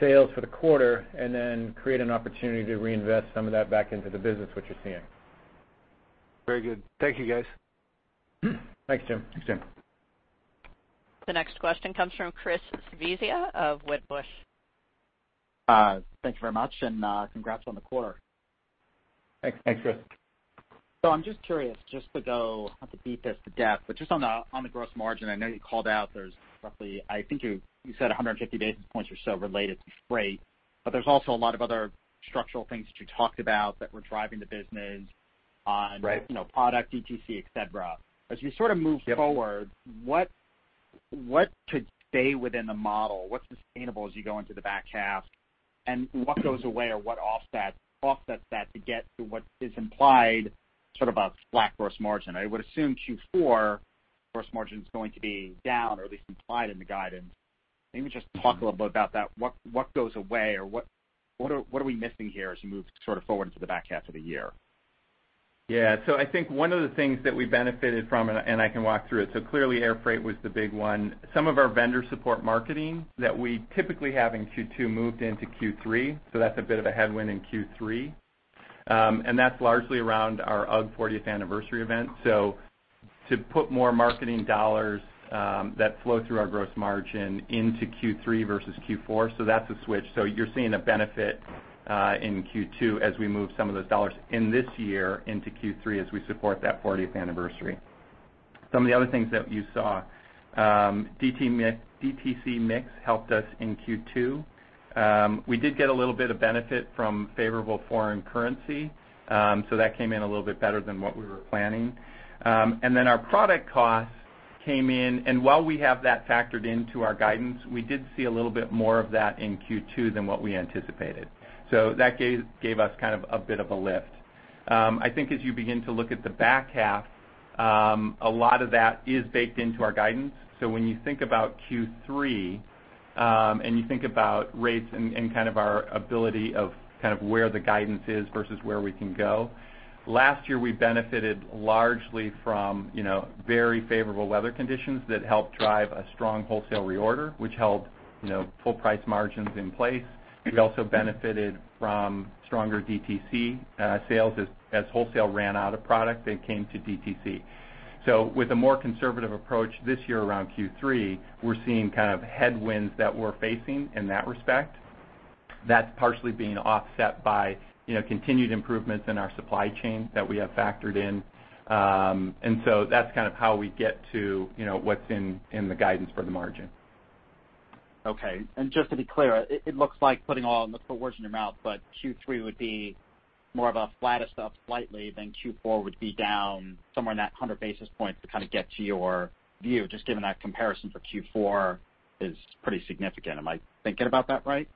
[SPEAKER 3] sales for the quarter and then create an opportunity to reinvest some of that back into the business, which you're seeing.
[SPEAKER 7] Very good. Thank you, guys.
[SPEAKER 3] Thanks, Jim. Thanks, Jim.
[SPEAKER 1] The next question comes from Christopher Svezia of Wedbush.
[SPEAKER 8] Thank you very much. Congrats on the quarter.
[SPEAKER 3] Thanks. Thanks, Chris.
[SPEAKER 8] I'm just curious, not to beat this to death, but just on the gross margin, I know you called out, there's roughly, I think you said 150 basis points or so related to freight, but there's also a lot of other structural things that you talked about that were driving the business. Right product, DTC, et cetera. As we sort of move forward- Yep what today within the model, what's sustainable as you go into the back half, and what goes away or what offsets that to get to what is implied sort of a flat gross margin? I would assume Q4 gross margin's going to be down or at least implied in the guidance. Maybe just talk a little bit about that. What goes away or what are we missing here as you move sort of forward into the back half of the year?
[SPEAKER 3] Yeah. I think one of the things that we benefited from, and I can walk through it. Clearly air freight was the big one. Some of our vendor support marketing that we typically have in Q2 moved into Q3, so that's a bit of a headwind in Q3. That's largely around our UGG 40th anniversary event. To put more marketing dollars that flow through our gross margin into Q3 versus Q4, so that's a switch. You're seeing a benefit in Q2 as we move some of those dollars in this year into Q3 as we support that 40th anniversary. Some of the other things that you saw. DTC mix helped us in Q2. We did get a little bit of benefit from favorable foreign currency. That came in a little bit better than what we were planning. Our product costs came in, and while we have that factored into our guidance, we did see a little bit more of that in Q2 than what we anticipated. That gave us kind of a bit of a lift. I think as you begin to look at the back half, a lot of that is baked into our guidance. When you think about Q3, and you think about rates and kind of our ability of kind of where the guidance is versus where we can go, last year, we benefited largely from very favorable weather conditions that helped drive a strong wholesale reorder, which held full-price margins in place. We also benefited from stronger DTC sales. As wholesale ran out of product, they came to DTC. With a more conservative approach this year around Q3, we're seeing kind of headwinds that we're facing in that respect. That's partially being offset by continued improvements in our supply chain that we have factored in. That's kind of how we get to what's in the guidance for the margin.
[SPEAKER 8] Okay. Just to be clear, it looks like putting all the words in your mouth, but Q3 would be more of a flattest up slightly, then Q4 would be down somewhere in that 100 basis points to kind of get to your view, just given that comparison for Q4 is pretty significant. Am I thinking about that right?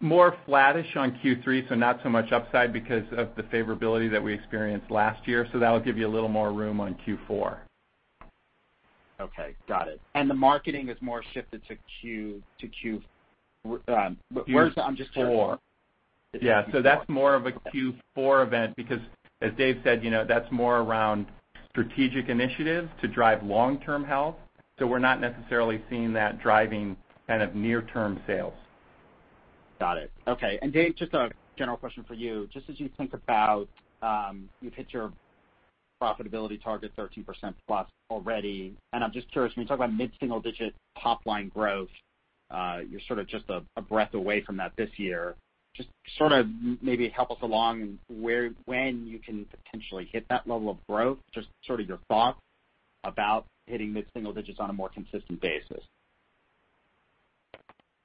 [SPEAKER 3] More flattish on Q3, not so much upside because of the favorability that we experienced last year. That'll give you a little more room on Q4.
[SPEAKER 8] Okay, got it. The marketing is more shifted to Q-
[SPEAKER 4] Q4.
[SPEAKER 8] I'm just curious.
[SPEAKER 4] That's more of a Q4 event because, as Dave said, that's more around strategic initiatives to drive long-term health. We're not necessarily seeing that driving kind of near-term sales.
[SPEAKER 8] Got it. Okay. Dave, just a general question for you. Just as you think about you've hit your profitability target, 13% plus already, I'm just curious, when you talk about mid-single digit top-line growth, you're sort of just a breath away from that this year. Just sort of maybe help us along when you can potentially hit that level of growth, just sort of your thoughts about hitting mid-single digits on a more consistent basis.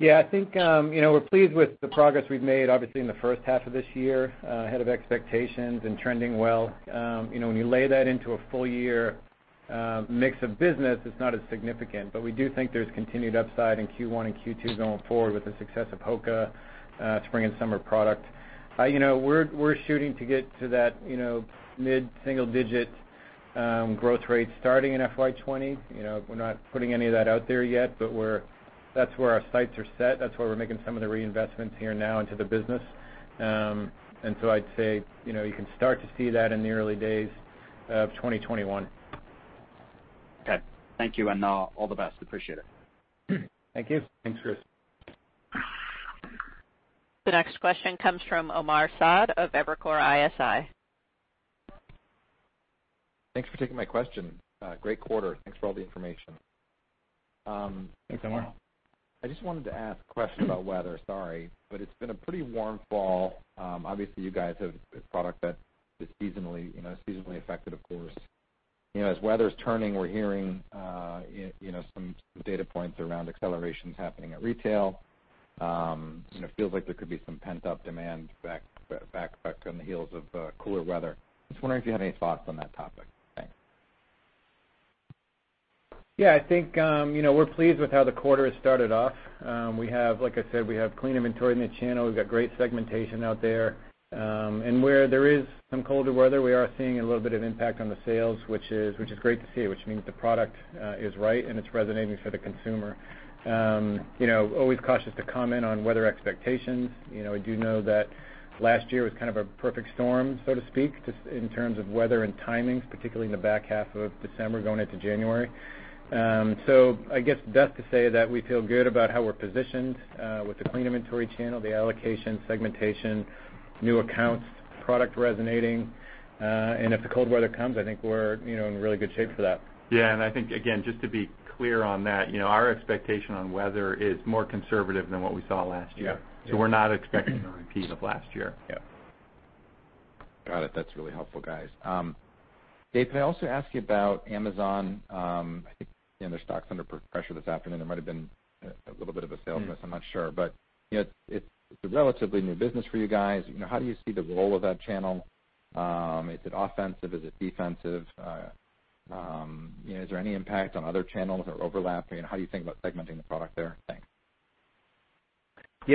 [SPEAKER 3] Yeah, I think we're pleased with the progress we've made, obviously, in the first half of this year. Ahead of expectations and trending well. When you lay that into a full year mix of business, it's not as significant, but we do think there's continued upside in Q1 and Q2 going forward with the success of HOKA spring and summer product. We're shooting to get to that mid-single digit growth rates starting in FY 2020. We're not putting any of that out there yet, but that's where our sights are set. That's where we're making some of the reinvestments here now into the business. I'd say, you can start to see that in the early days of 2021.
[SPEAKER 8] Okay. Thank you, and all the best. Appreciate it.
[SPEAKER 3] Thank you.
[SPEAKER 4] Thanks, Chris.
[SPEAKER 1] The next question comes from Omar Saad of Evercore ISI.
[SPEAKER 9] Thanks for taking my question. Great quarter. Thanks for all the information.
[SPEAKER 3] Thanks, Omar.
[SPEAKER 9] I just wanted to ask a question about weather, sorry. It's been a pretty warm fall. Obviously, you guys have a product that is seasonally affected, of course. As weather's turning, we're hearing some data points around accelerations happening at retail. It feels like there could be some pent-up demand back on the heels of cooler weather. I was wondering if you had any thoughts on that topic. Thanks.
[SPEAKER 3] Yeah. I think we're pleased with how the quarter has started off. Like I said, we have clean inventory in the channel. We've got great segmentation out there. Where there is some colder weather, we are seeing a little bit of impact on the sales, which is great to see, which means the product is right and it's resonating for the consumer. Always cautious to comment on weather expectations. I do know that last year was kind of a perfect storm, so to speak, just in terms of weather and timing, particularly in the back half of December going into January. I guess that's to say that we feel good about how we're positioned with the clean inventory channel, the allocation, segmentation, new accounts, product resonating. If the cold weather comes, I think we're in really good shape for that.
[SPEAKER 4] I think, again, just to be clear on that, our expectation on weather is more conservative than what we saw last year. Yeah. We're not expecting a repeat of last year. Yeah.
[SPEAKER 9] Got it. That's really helpful, guys. Dave, can I also ask you about Amazon? I think their stock's under pressure this afternoon. There might've been a little bit of a sale this, I'm not sure, but it's a relatively new business for you guys. How do you see the role of that channel? Is it offensive? Is it defensive? Is there any impact on other channels or overlapping? How do you think about segmenting the product there? Thanks.
[SPEAKER 3] I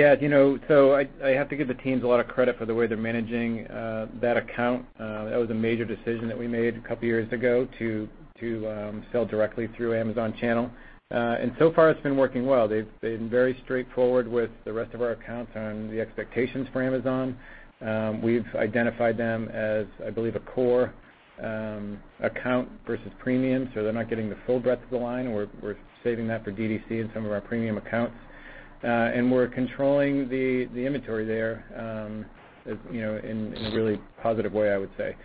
[SPEAKER 3] have to give the teams a lot of credit for the way they're managing that account. That was a major decision that we made a couple of years ago to sell directly through Amazon channel. So far it's been working well. They've been very straightforward with the rest of our accounts on the expectations for Amazon. We've identified them as, I believe, a core account versus premium, so they're not getting the full breadth of the line. We're saving that for DTC and some of our premium accounts. We're controlling the inventory there in a really positive way, I would say.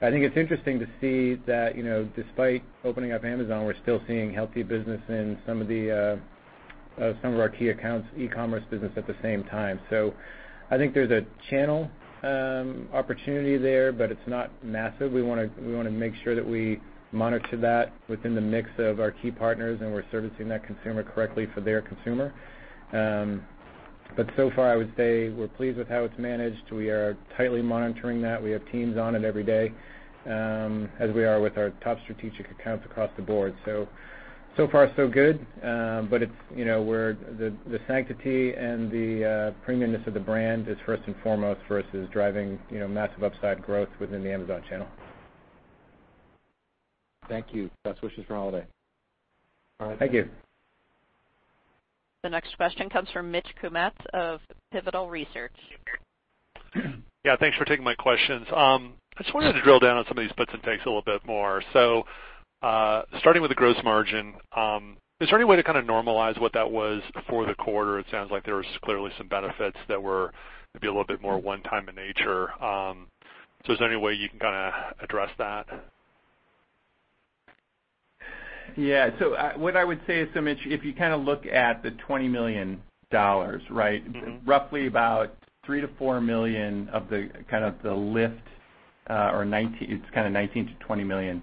[SPEAKER 3] I think it's interesting to see that despite opening up Amazon, we're still seeing healthy business in some of our key accounts, e-commerce business at the same time. I think there's a channel opportunity there, but it's not massive. We want to make sure that we monitor that within the mix of our key partners, and we're servicing that consumer correctly for their consumer. So far, I would say we're pleased with how it's managed. We are tightly monitoring that. We have teams on it every day, as we are with our top strategic accounts across the board. So far so good. The sanctity and the premium-ness of the brand is first and foremost for us is driving massive upside growth within the Amazon channel.
[SPEAKER 9] Thank you. Best wishes for holiday.
[SPEAKER 3] All right. Thank you.
[SPEAKER 1] The next question comes from Mitch Kummetz of Pivotal Research.
[SPEAKER 10] Yeah. Thanks for taking my questions. I just wanted to drill down on some of these puts and takes a little bit more. Starting with the gross margin, is there any way to kind of normalize what that was for the quarter? It sounds like there was clearly some benefits that were maybe a little bit more one time in nature. Is there any way you can kind of address that?
[SPEAKER 4] Yeah. What I would say is Mitch, if you look at the $20 million, right? Roughly about $3 million-$4 million of the lift, or it's kind of $19 million-$20 million.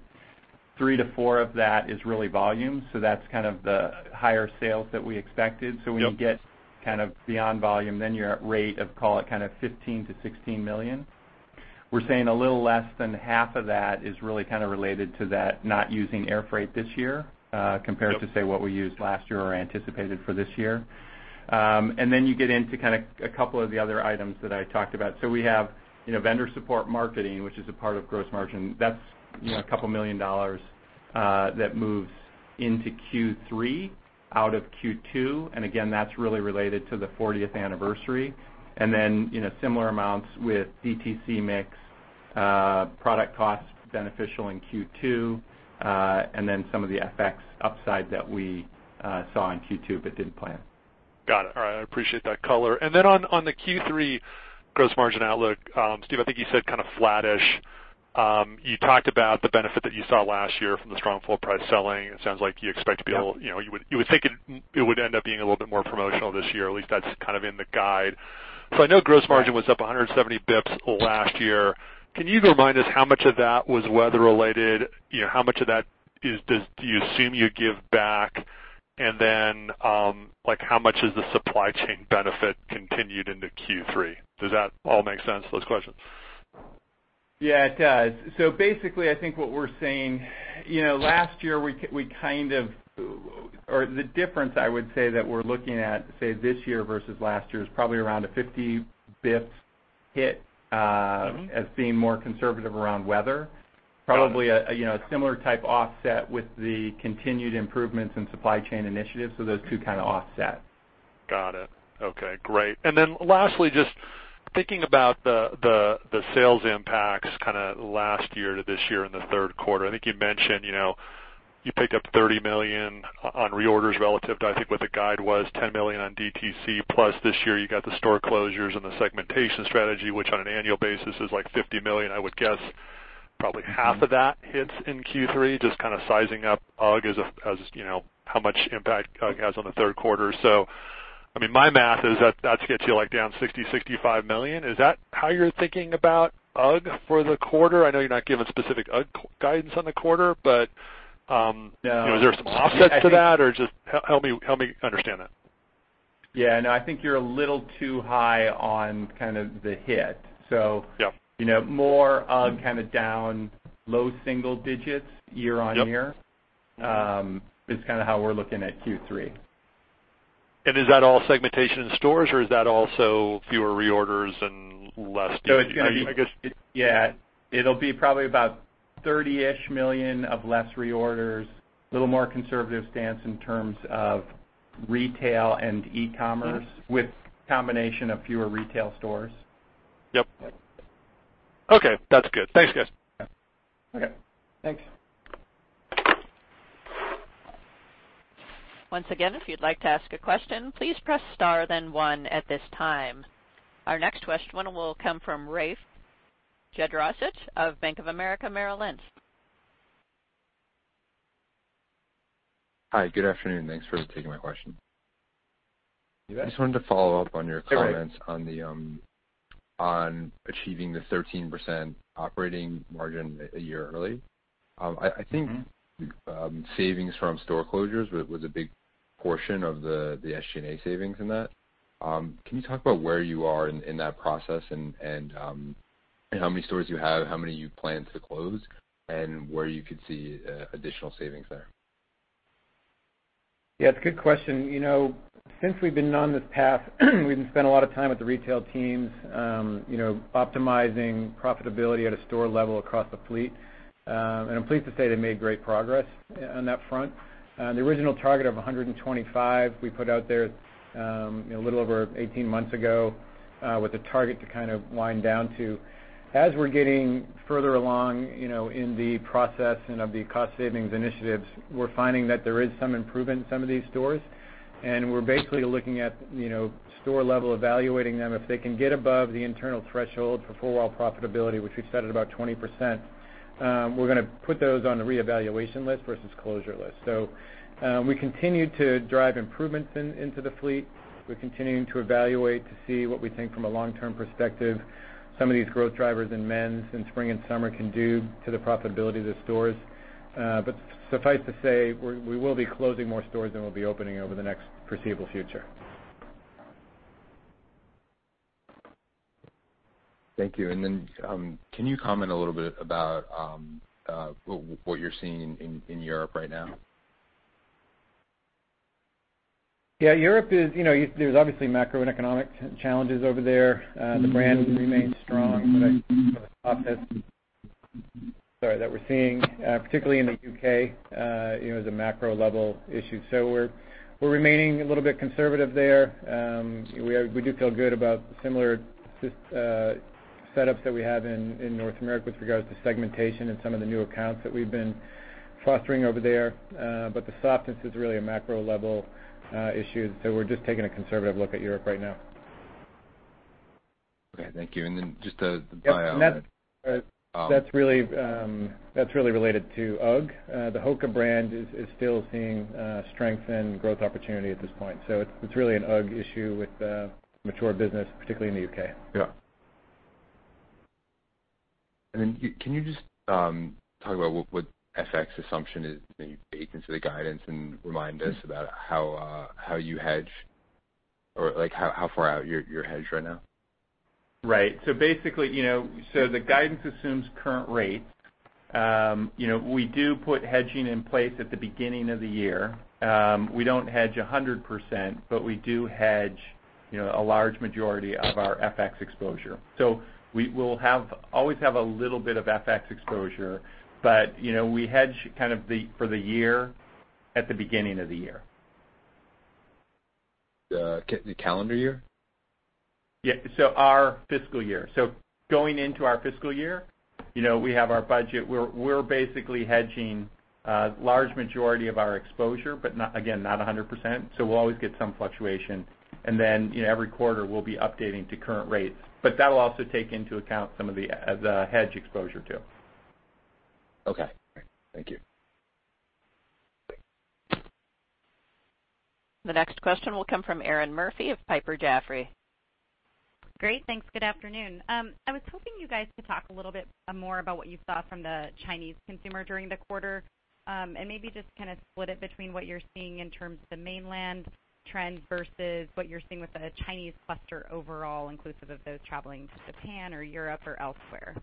[SPEAKER 4] $3 million-$4 million of that is really volume, that's the higher sales that we expected.
[SPEAKER 10] Yep.
[SPEAKER 4] When you get kind of beyond volume, you're at rate of call it, $15 million-$16 million. We're saying a little less than half of that is really related to that not using air freight this year.
[SPEAKER 10] Yep
[SPEAKER 4] compared to, say, what we used last year or anticipated for this year. You get into a couple of the other items that I talked about. We have vendor support marketing, which is a part of gross margin. That's a couple million dollars that moves into Q3 out of Q2, and again, that's really related to the 40th anniversary. Similar amounts with DTC mix, product cost beneficial in Q2, and some of the FX upside that we saw in Q2 but didn't plan.
[SPEAKER 10] Got it. All right. I appreciate that color. On the Q3 gross margin outlook, Steven, I think you said kind of flat-ish. You talked about the benefit that you saw last year from the strong full price selling. It sounds like you expect to be a little- you would think it would end up being a little bit more promotional this year, at least that's kind of in the guide. I know gross margin was up 170 BPS last year. Can you remind us how much of that was weather related? How much of that do you assume you give back? How much is the supply chain benefit continued into Q3? Does that all make sense, those questions?
[SPEAKER 4] Yeah, it does. Basically, I think what we're saying, last year we or the difference I would say that we're looking at, say this year versus last year, is probably around a 50 BPS hit as being more conservative around weather. Probably a similar type offset with the continued improvements in supply chain initiatives. Those two kind of offset.
[SPEAKER 10] Got it. Okay, great. Lastly, just thinking about the sales impacts kind of last year to this year in the third quarter. I think you mentioned you picked up $30 million on reorders relative to, I think, what the guide was, $10 million on DTC. Plus this year you got the store closures and the segmentation strategy, which on an annual basis is like $50 million. I would guess probably half of that hits in Q3, just kind of sizing up UGG as how much impact UGG has on the third quarter. My math is that gets you down $60 million-$65 million. Is that how you're thinking about UGG for the quarter? I know you're not giving specific UGG guidance on the quarter, but.
[SPEAKER 4] No
[SPEAKER 10] Is there some offsets to that? Just help me understand that.
[SPEAKER 4] Yeah, no, I think you're a little too high on kind of the hit.
[SPEAKER 10] Yep.
[SPEAKER 4] More UGG kind of down low single digits year-on-year is kind of how we're looking at Q3.
[SPEAKER 10] Is that all segmentation in stores, or is that also fewer reorders?
[SPEAKER 4] It's going to be.
[SPEAKER 10] I guess-
[SPEAKER 4] Yeah, it'll be probably about $30-ish million of less reorders. A little more conservative stance in terms of retail and e-commerce with combination of fewer retail stores.
[SPEAKER 10] Yep. Okay. That's good. Thanks, guys.
[SPEAKER 4] Okay, thanks.
[SPEAKER 1] Once again, if you'd like to ask a question, please press star then one at this time. Our next question will come from Rafe Jadrosich of Bank of America Merrill Lynch.
[SPEAKER 11] Hi, good afternoon. Thanks for taking my question.
[SPEAKER 3] You bet.
[SPEAKER 11] I just wanted to follow up on your comments on achieving the 13% operating margin a year early. I think savings from store closures was a big portion of the SG&A savings in that. Can you talk about where you are in that process and how many stores you have, how many you plan to close, and where you could see additional savings there?
[SPEAKER 3] Yeah, it's a good question. Since we've been on this path we've spent a lot of time with the retail teams optimizing profitability at a store level across the fleet. I'm pleased to say they made great progress on that front. The original target of 125 we put out there a little over 18 months ago with a target to kind of wind down to. As we're getting further along in the process and of the cost savings initiatives, we're finding that there is some improvement in some of these stores. We're basically looking at store level, evaluating them. If they can get above the internal threshold for full wall profitability, which we've set at about 20%, we're going to put those on the reevaluation list versus closure list. We continue to drive improvements into the fleet. We're continuing to evaluate to see what we think from a long-term perspective some of these growth drivers in men's in spring and summer can do to the profitability of the stores. Suffice to say, we will be closing more stores than we'll be opening over the next foreseeable future.
[SPEAKER 11] Thank you. Then can you comment a little bit about what you're seeing in Europe right now?
[SPEAKER 3] Yeah. Europe, there's obviously macroeconomic challenges over there. The brand remains strong, but I think sort of softness that we're seeing, particularly in the U.K., as a macro level issue. We're remaining a little bit conservative there. We do feel good about similar setups that we have in North America with regards to segmentation and some of the new accounts that we've been fostering over there. The softness is really a macro level issue. We're just taking a conservative look at Europe right now.
[SPEAKER 11] Okay, thank you. Then just a buy on that.
[SPEAKER 3] That's really related to UGG. The HOKA brand is still seeing strength and growth opportunity at this point. It's really an UGG issue with the mature business, particularly in the U.K.
[SPEAKER 11] Yeah. Then can you just talk about what FX assumption is being baked into the guidance and remind us about how you hedge or how far out you're hedged right now?
[SPEAKER 4] Right. The guidance assumes current rates. We do put hedging in place at the beginning of the year. We don't hedge 100%, but we do hedge a large majority of our FX exposure. We will always have a little bit of FX exposure. We hedge kind of for the year at the beginning of the year.
[SPEAKER 11] The calendar year?
[SPEAKER 4] Yeah. Our fiscal year. Going into our fiscal year, we have our budget. We're basically hedging a large majority of our exposure, but again, not 100%. We'll always get some fluctuation. Every quarter we'll be updating to current rates. That'll also take into account some of the hedge exposure too.
[SPEAKER 11] Okay. Thank you.
[SPEAKER 1] The next question will come from Erinn Murphy of Piper Jaffray.
[SPEAKER 12] Great. Thanks. Good afternoon. I was hoping you guys could talk a little bit more about what you saw from the Chinese consumer during the quarter. Maybe just kind of split it between what you're seeing in terms of the mainland trends versus what you're seeing with the Chinese cluster overall, inclusive of those traveling to Japan or Europe or elsewhere.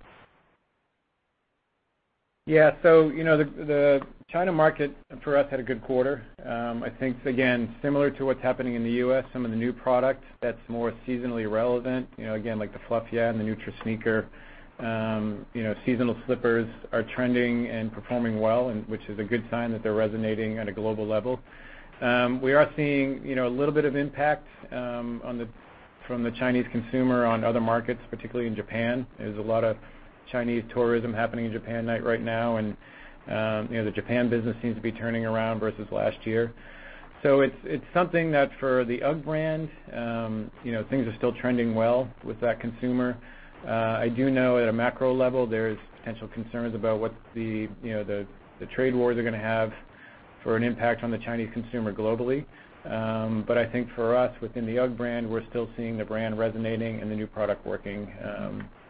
[SPEAKER 3] Yeah. The China market for us had a good quarter. I think, again, similar to what's happening in the U.S., some of the new product that's more seasonally relevant, again, like the Fluff Yeah and the Neutra Sneaker. Seasonal slippers are trending and performing well, which is a good sign that they're resonating at a global level. We are seeing a little bit of impact from the Chinese consumer on other markets, particularly in Japan. There's a lot of Chinese tourism happening in Japan right now, and the Japan business seems to be turning around versus last year. It's something that for the UGG brand, things are still trending well with that consumer. I do know at a macro level, there's potential concerns about what the trade wars are going to have for an impact on the Chinese consumer globally. I think for us, within the UGG brand, we're still seeing the brand resonating and the new product working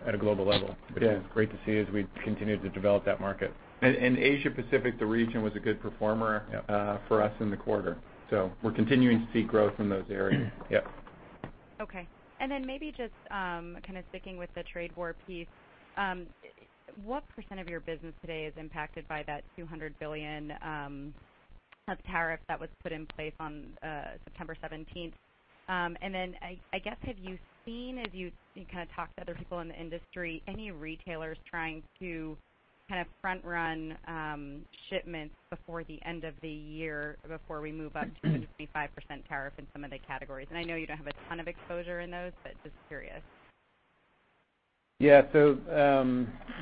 [SPEAKER 3] at a global level. Yeah which is great to see as we continue to develop that market.
[SPEAKER 4] Asia Pacific, the region, was a good performer for us in the quarter. We're continuing to see growth in those areas.
[SPEAKER 12] Okay. Maybe just sticking with the trade war piece, what % of your business today is impacted by that $200 billion of tariff that was put in place on September 17th? I guess, have you seen, as you talk to other people in the industry, any retailers trying to front-run shipments before the end of the year, before we move up to the 25% tariff in some of the categories? I know you don't have a ton of exposure in those, but just curious.
[SPEAKER 3] Yeah.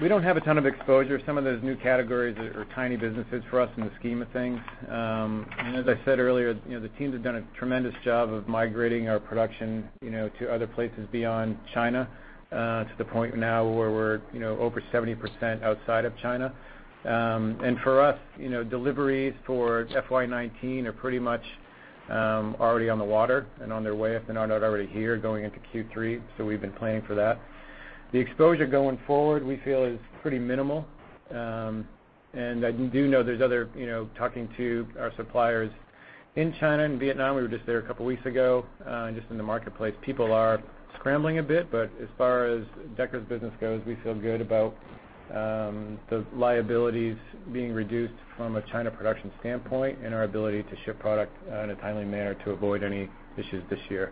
[SPEAKER 3] We don't have a ton of exposure. Some of those new categories are tiny businesses for us in the scheme of things. As I said earlier, the teams have done a tremendous job of migrating our production to other places beyond China, to the point now where we're over 70% outside of China. For us, deliveries for FY 2019 are pretty much already on the water and on their way, if they're not already here, going into Q3. We've been planning for that. The exposure going forward, we feel, is pretty minimal. Talking to our suppliers in China and Vietnam, we were just there a couple of weeks ago, and just in the marketplace, people are scrambling a bit. As far as Deckers' business goes, we feel good about the liabilities being reduced from a China production standpoint and our ability to ship product in a timely manner to avoid any issues this year.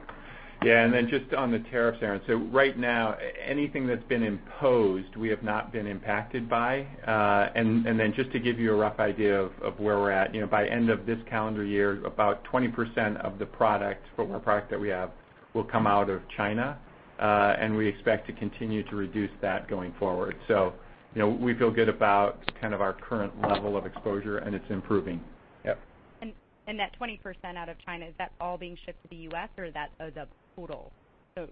[SPEAKER 4] Just on the tariffs, Erinn. Right now, anything that's been imposed, we have not been impacted by. Just to give you a rough idea of where we're at, by end of this calendar year, about 20% of the product, footwear product that we have, will come out of China. We expect to continue to reduce that going forward. We feel good about our current level of exposure, and it's improving.
[SPEAKER 12] That 20% out of China, is that all being shipped to the U.S., or that is a total?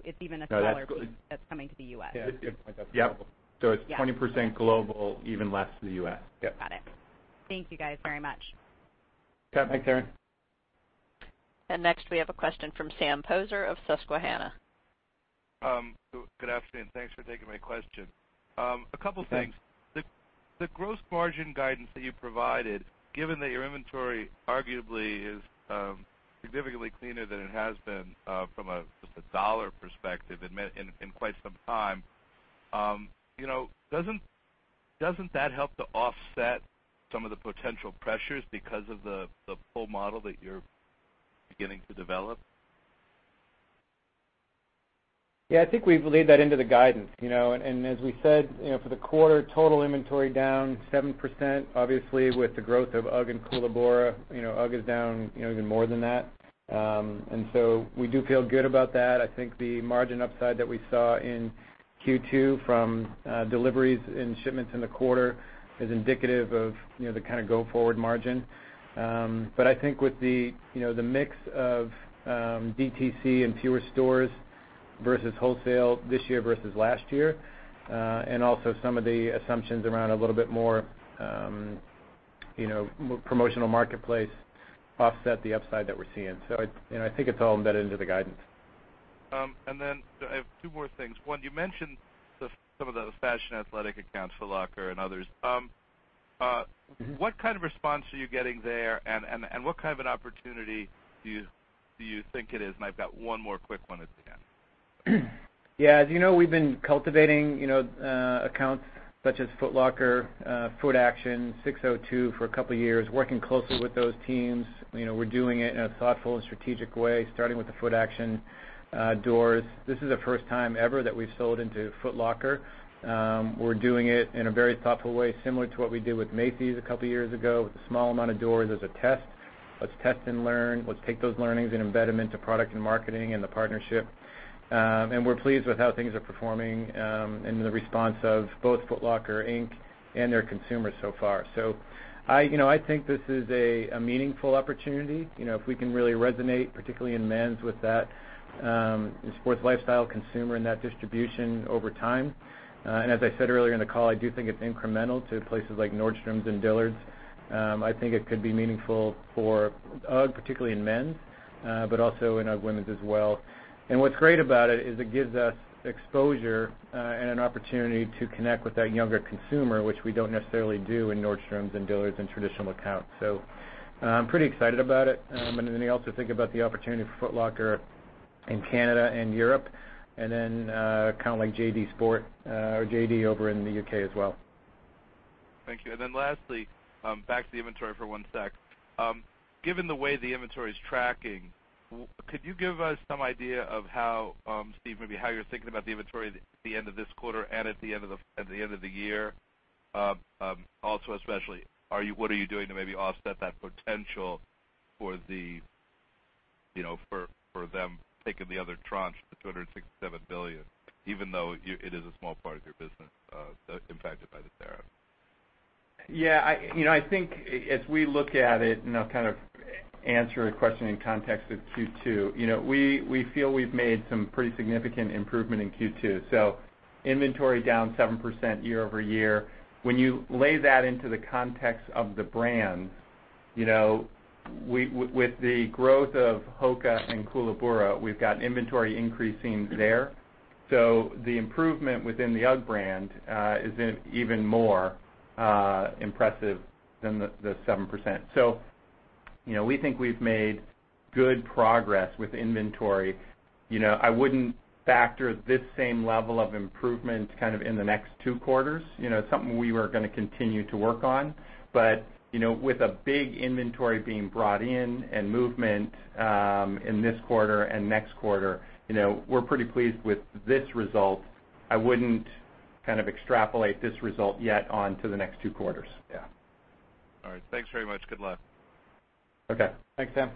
[SPEAKER 12] It's even a smaller-
[SPEAKER 4] No, that's glo-
[SPEAKER 12] piece that's coming to the U.S.
[SPEAKER 3] Yeah.
[SPEAKER 4] Yep. It's 20% global, even less to the U.S.
[SPEAKER 3] Yep.
[SPEAKER 12] Got it. Thank you, guys, very much.
[SPEAKER 3] Okay. Thanks, Erinn.
[SPEAKER 1] Next we have a question from Sam Poser of Susquehanna.
[SPEAKER 13] Good afternoon. Thanks for taking my question. A couple things.
[SPEAKER 3] Thanks.
[SPEAKER 13] The gross margin guidance that you provided, given that your inventory arguably is significantly cleaner than it has been from a dollar perspective in quite some time, doesn't that help to offset some of the potential pressures because of the pull model that you're beginning to develop?
[SPEAKER 3] Yeah. I think we've laid that into the guidance. As we said, for the quarter, total inventory down 7%, obviously with the growth of UGG and Koolaburra. UGG is down even more than that. We do feel good about that. I think the margin upside that we saw in Q2 from deliveries and shipments in the quarter is indicative of the kind of go-forward margin. I think with the mix of DTC and fewer stores versus wholesale this year versus last year, and also some of the assumptions around a little bit more promotional marketplace offset the upside that we're seeing. I think it's all embedded into the guidance.
[SPEAKER 13] I have two more things. One, you mentioned some of those fashion athletic accounts, Foot Locker and others. What kind of response are you getting there, and what kind of an opportunity do you think it is? I've got one more quick one at the end.
[SPEAKER 3] Yeah. As you know, we've been cultivating accounts such as Foot Locker, Footaction, 602 for a couple of years, working closely with those teams. We're doing it in a thoughtful and strategic way, starting with the Footaction doors. This is the first time ever that we've sold into Foot Locker. We're doing it in a very thoughtful way, similar to what we did with Macy's a couple of years ago, with a small amount of doors as a test. Let's test and learn. Let's take those learnings and embed them into product and marketing and the partnership. We're pleased with how things are performing, and the response of both Foot Locker, Inc. and their consumers so far. I think this is a meaningful opportunity. If we can really resonate, particularly in men's with that sports lifestyle consumer and that distribution over time. As I said earlier in the call, I do think it's incremental to places like Nordstrom and Dillard's. I think it could be meaningful for UGG, particularly in men's, but also in UGG women's as well. What's great about it is it gives us exposure and an opportunity to connect with that younger consumer, which we don't necessarily do in Nordstrom and Dillard's and traditional accounts. I'm pretty excited about it. We also think about the opportunity for Foot Locker in Canada and Europe, and then kind of like JD Sport or JD over in the U.K. as well.
[SPEAKER 13] Thank you. Lastly, back to the inventory for one sec. Given the way the inventory's tracking, could you give us some idea of how, Steve, maybe how you're thinking about the inventory at the end of this quarter and at the end of the year? Also, especially, what are you doing to maybe offset that potential for them taking the other tranche, the $267 billion, even though it is a small part of your business impacted by the tariff?
[SPEAKER 4] Yeah. I think as we look at it, and I'll kind of answer your question in context of Q2. We feel we've made some pretty significant improvement in Q2. Inventory down 7% year-over-year. When you lay that into the context of the brand, with the growth of HOKA and Koolaburra, we've got inventory increasing there. The improvement within the UGG brand is even more impressive than the 7%. We think we've made good progress with inventory. I wouldn't factor this same level of improvement in the next two quarters. It's something we are going to continue to work on. With a big inventory being brought in and movement in this quarter and next quarter, we're pretty pleased with this result. I wouldn't extrapolate this result yet onto the next two quarters. Yeah.
[SPEAKER 13] All right. Thanks very much. Good luck.
[SPEAKER 3] Okay. Thanks, Sam.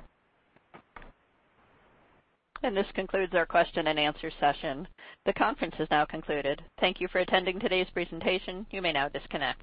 [SPEAKER 1] This concludes our question and answer session. The conference is now concluded. Thank you for attending today's presentation. You may now disconnect.